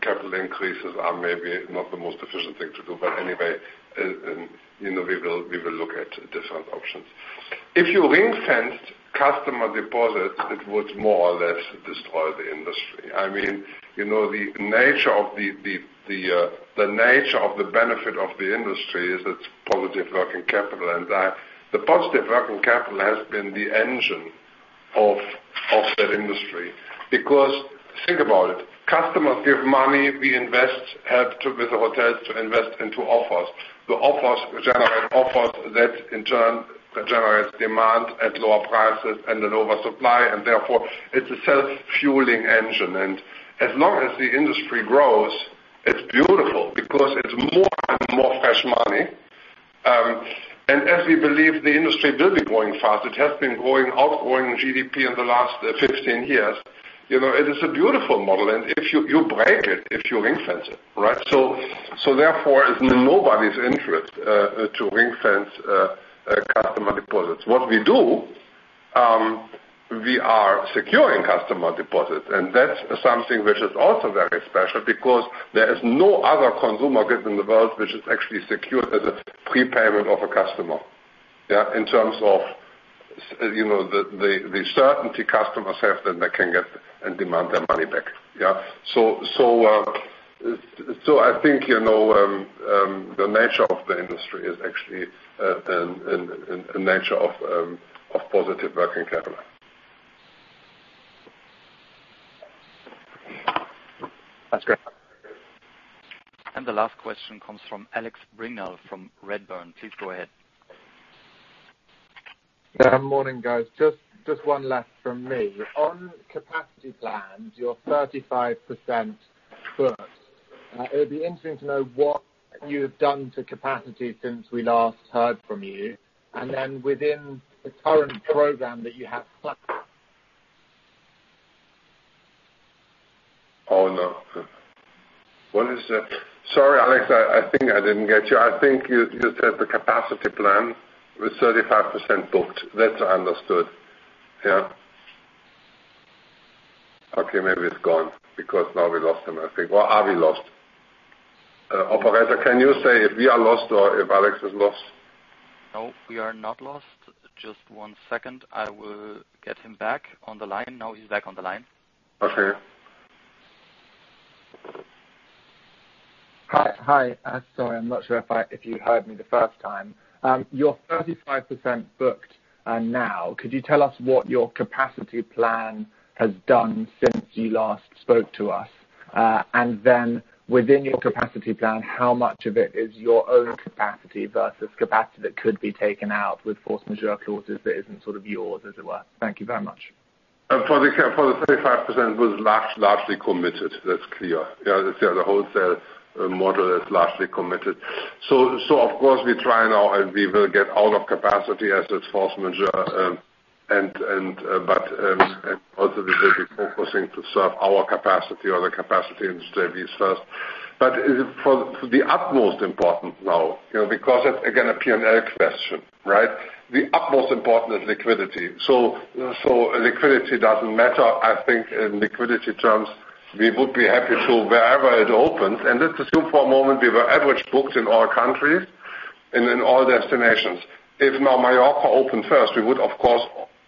capital increases are maybe not the most efficient thing to do. Anyway, we will look at different options. If you ring-fenced customer deposits, it would more or less destroy the industry. The nature of the benefit of the industry is its positive working capital. The positive working capital has been the engine of that industry. Think about it, customers give money, we invest, help with the hotels to invest into offers. The offers generate offers that in turn generates demand at lower prices and an oversupply, and therefore it's a self-fueling engine. As long as the industry grows, it's beautiful because it's more and more fresh money. As we believe the industry will be growing fast, it has been outgrowing GDP in the last 15 years. It is a beautiful model and You break it if you ring-fence it, right? Therefore, it's in nobody's interest to ring-fence customer deposits. What we do, we are securing customer deposits, and that's something which is also very special because there is no other consumer goods in the world which is actually secured as a prepayment of a customer. In terms of the certainty customers have that they can get and demand their money back. I think, the nature of the industry is actually in nature of positive working capital. That's great. The last question comes from Alex Brignall from Redburn. Please go ahead. Yeah. Morning, guys. Just one last from me. On capacity plans, you're 35% booked. It would be interesting to know what you have done to capacity since we last heard from you. Oh, no. What is that? Sorry, Alex, I think I didn't get you. I think you said the capacity plan was 35% booked. That I understood. Yeah. Okay, maybe it's gone because now we lost him, I think. Or are we lost? Operator, can you say if we are lost or if Alex is lost? No, we are not lost. Just one second. I will get him back on the line. Now he is back on the line. Okay. Hi. Sorry, I'm not sure if you heard me the first time. You're 35% booked now. Could you tell us what your capacity plan has done since you last spoke to us? Within your capacity plan, how much of it is your own capacity versus capacity that could be taken out with force majeure clauses that isn't yours, as it were? Thank you very much. For the 35% was largely committed, that's clear. The wholesale model is largely committed. Of course, we try now and we will get all of capacity as it's force majeure. Also we will be focusing to serve our capacity or the capacity industry we served. For the utmost important now, because it's again, a P&L question, right? The utmost important is liquidity. Liquidity doesn't matter. I think in liquidity terms, we would be happy to wherever it opens. Let's assume for a moment we were average booked in all countries and in all destinations. If now Mallorca opened first, we would of course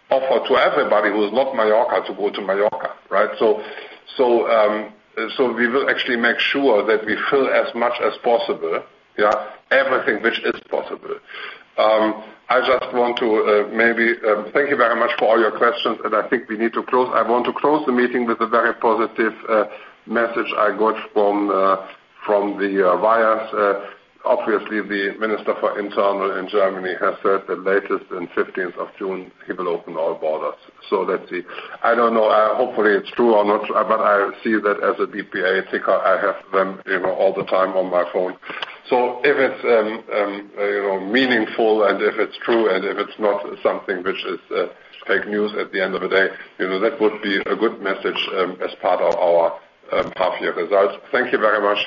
offer to everybody who is not Mallorca to go to Mallorca, right? We will actually make sure that we fill as much as possible. Everything which is possible. I just want to thank you very much for all your questions, and I think we need to close. I want to close the meeting with a very positive message I got from the wires. Obviously, the minister for internal in Germany has said that latest in 15th of June, he will open all borders. Let's see. I don't know. Hopefully, it's true or not, but I see that as a DPA ticker. I have them all the time on my phone. If it's meaningful and if it's true and if it's not something which is fake news at the end of the day, that would be a good message as part of our half year results. Thank you very much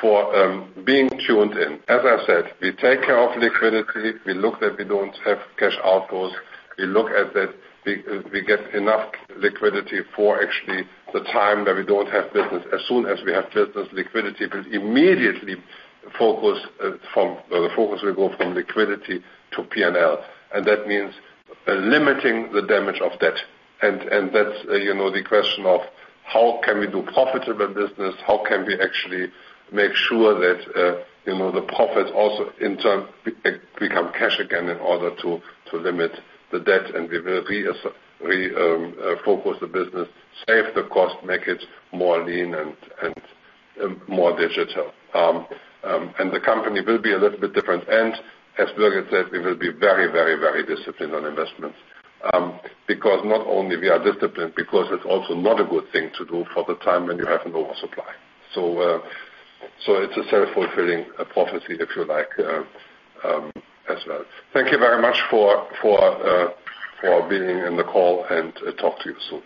for being tuned in. As I said, we take care of liquidity. We look that we don't have cash outflows. We look at that we get enough liquidity for actually the time that we don't have business. As soon as we have business, liquidity will immediately focus. The focus will go from liquidity to P&L, that means limiting the damage of debt. That's the question of how can we do profitable business, how can we actually make sure that the profits also in turn become cash again in order to limit the debt and we will refocus the business, save the cost, make it more lean and more digital. The company will be a little bit different. As Birgit said, we will be very disciplined on investments. Because not only we are disciplined, because it's also not a good thing to do for the time when you have an oversupply. It's a self-fulfilling prophecy, if you like, as well. Thank you very much for being in the call and talk to you soon.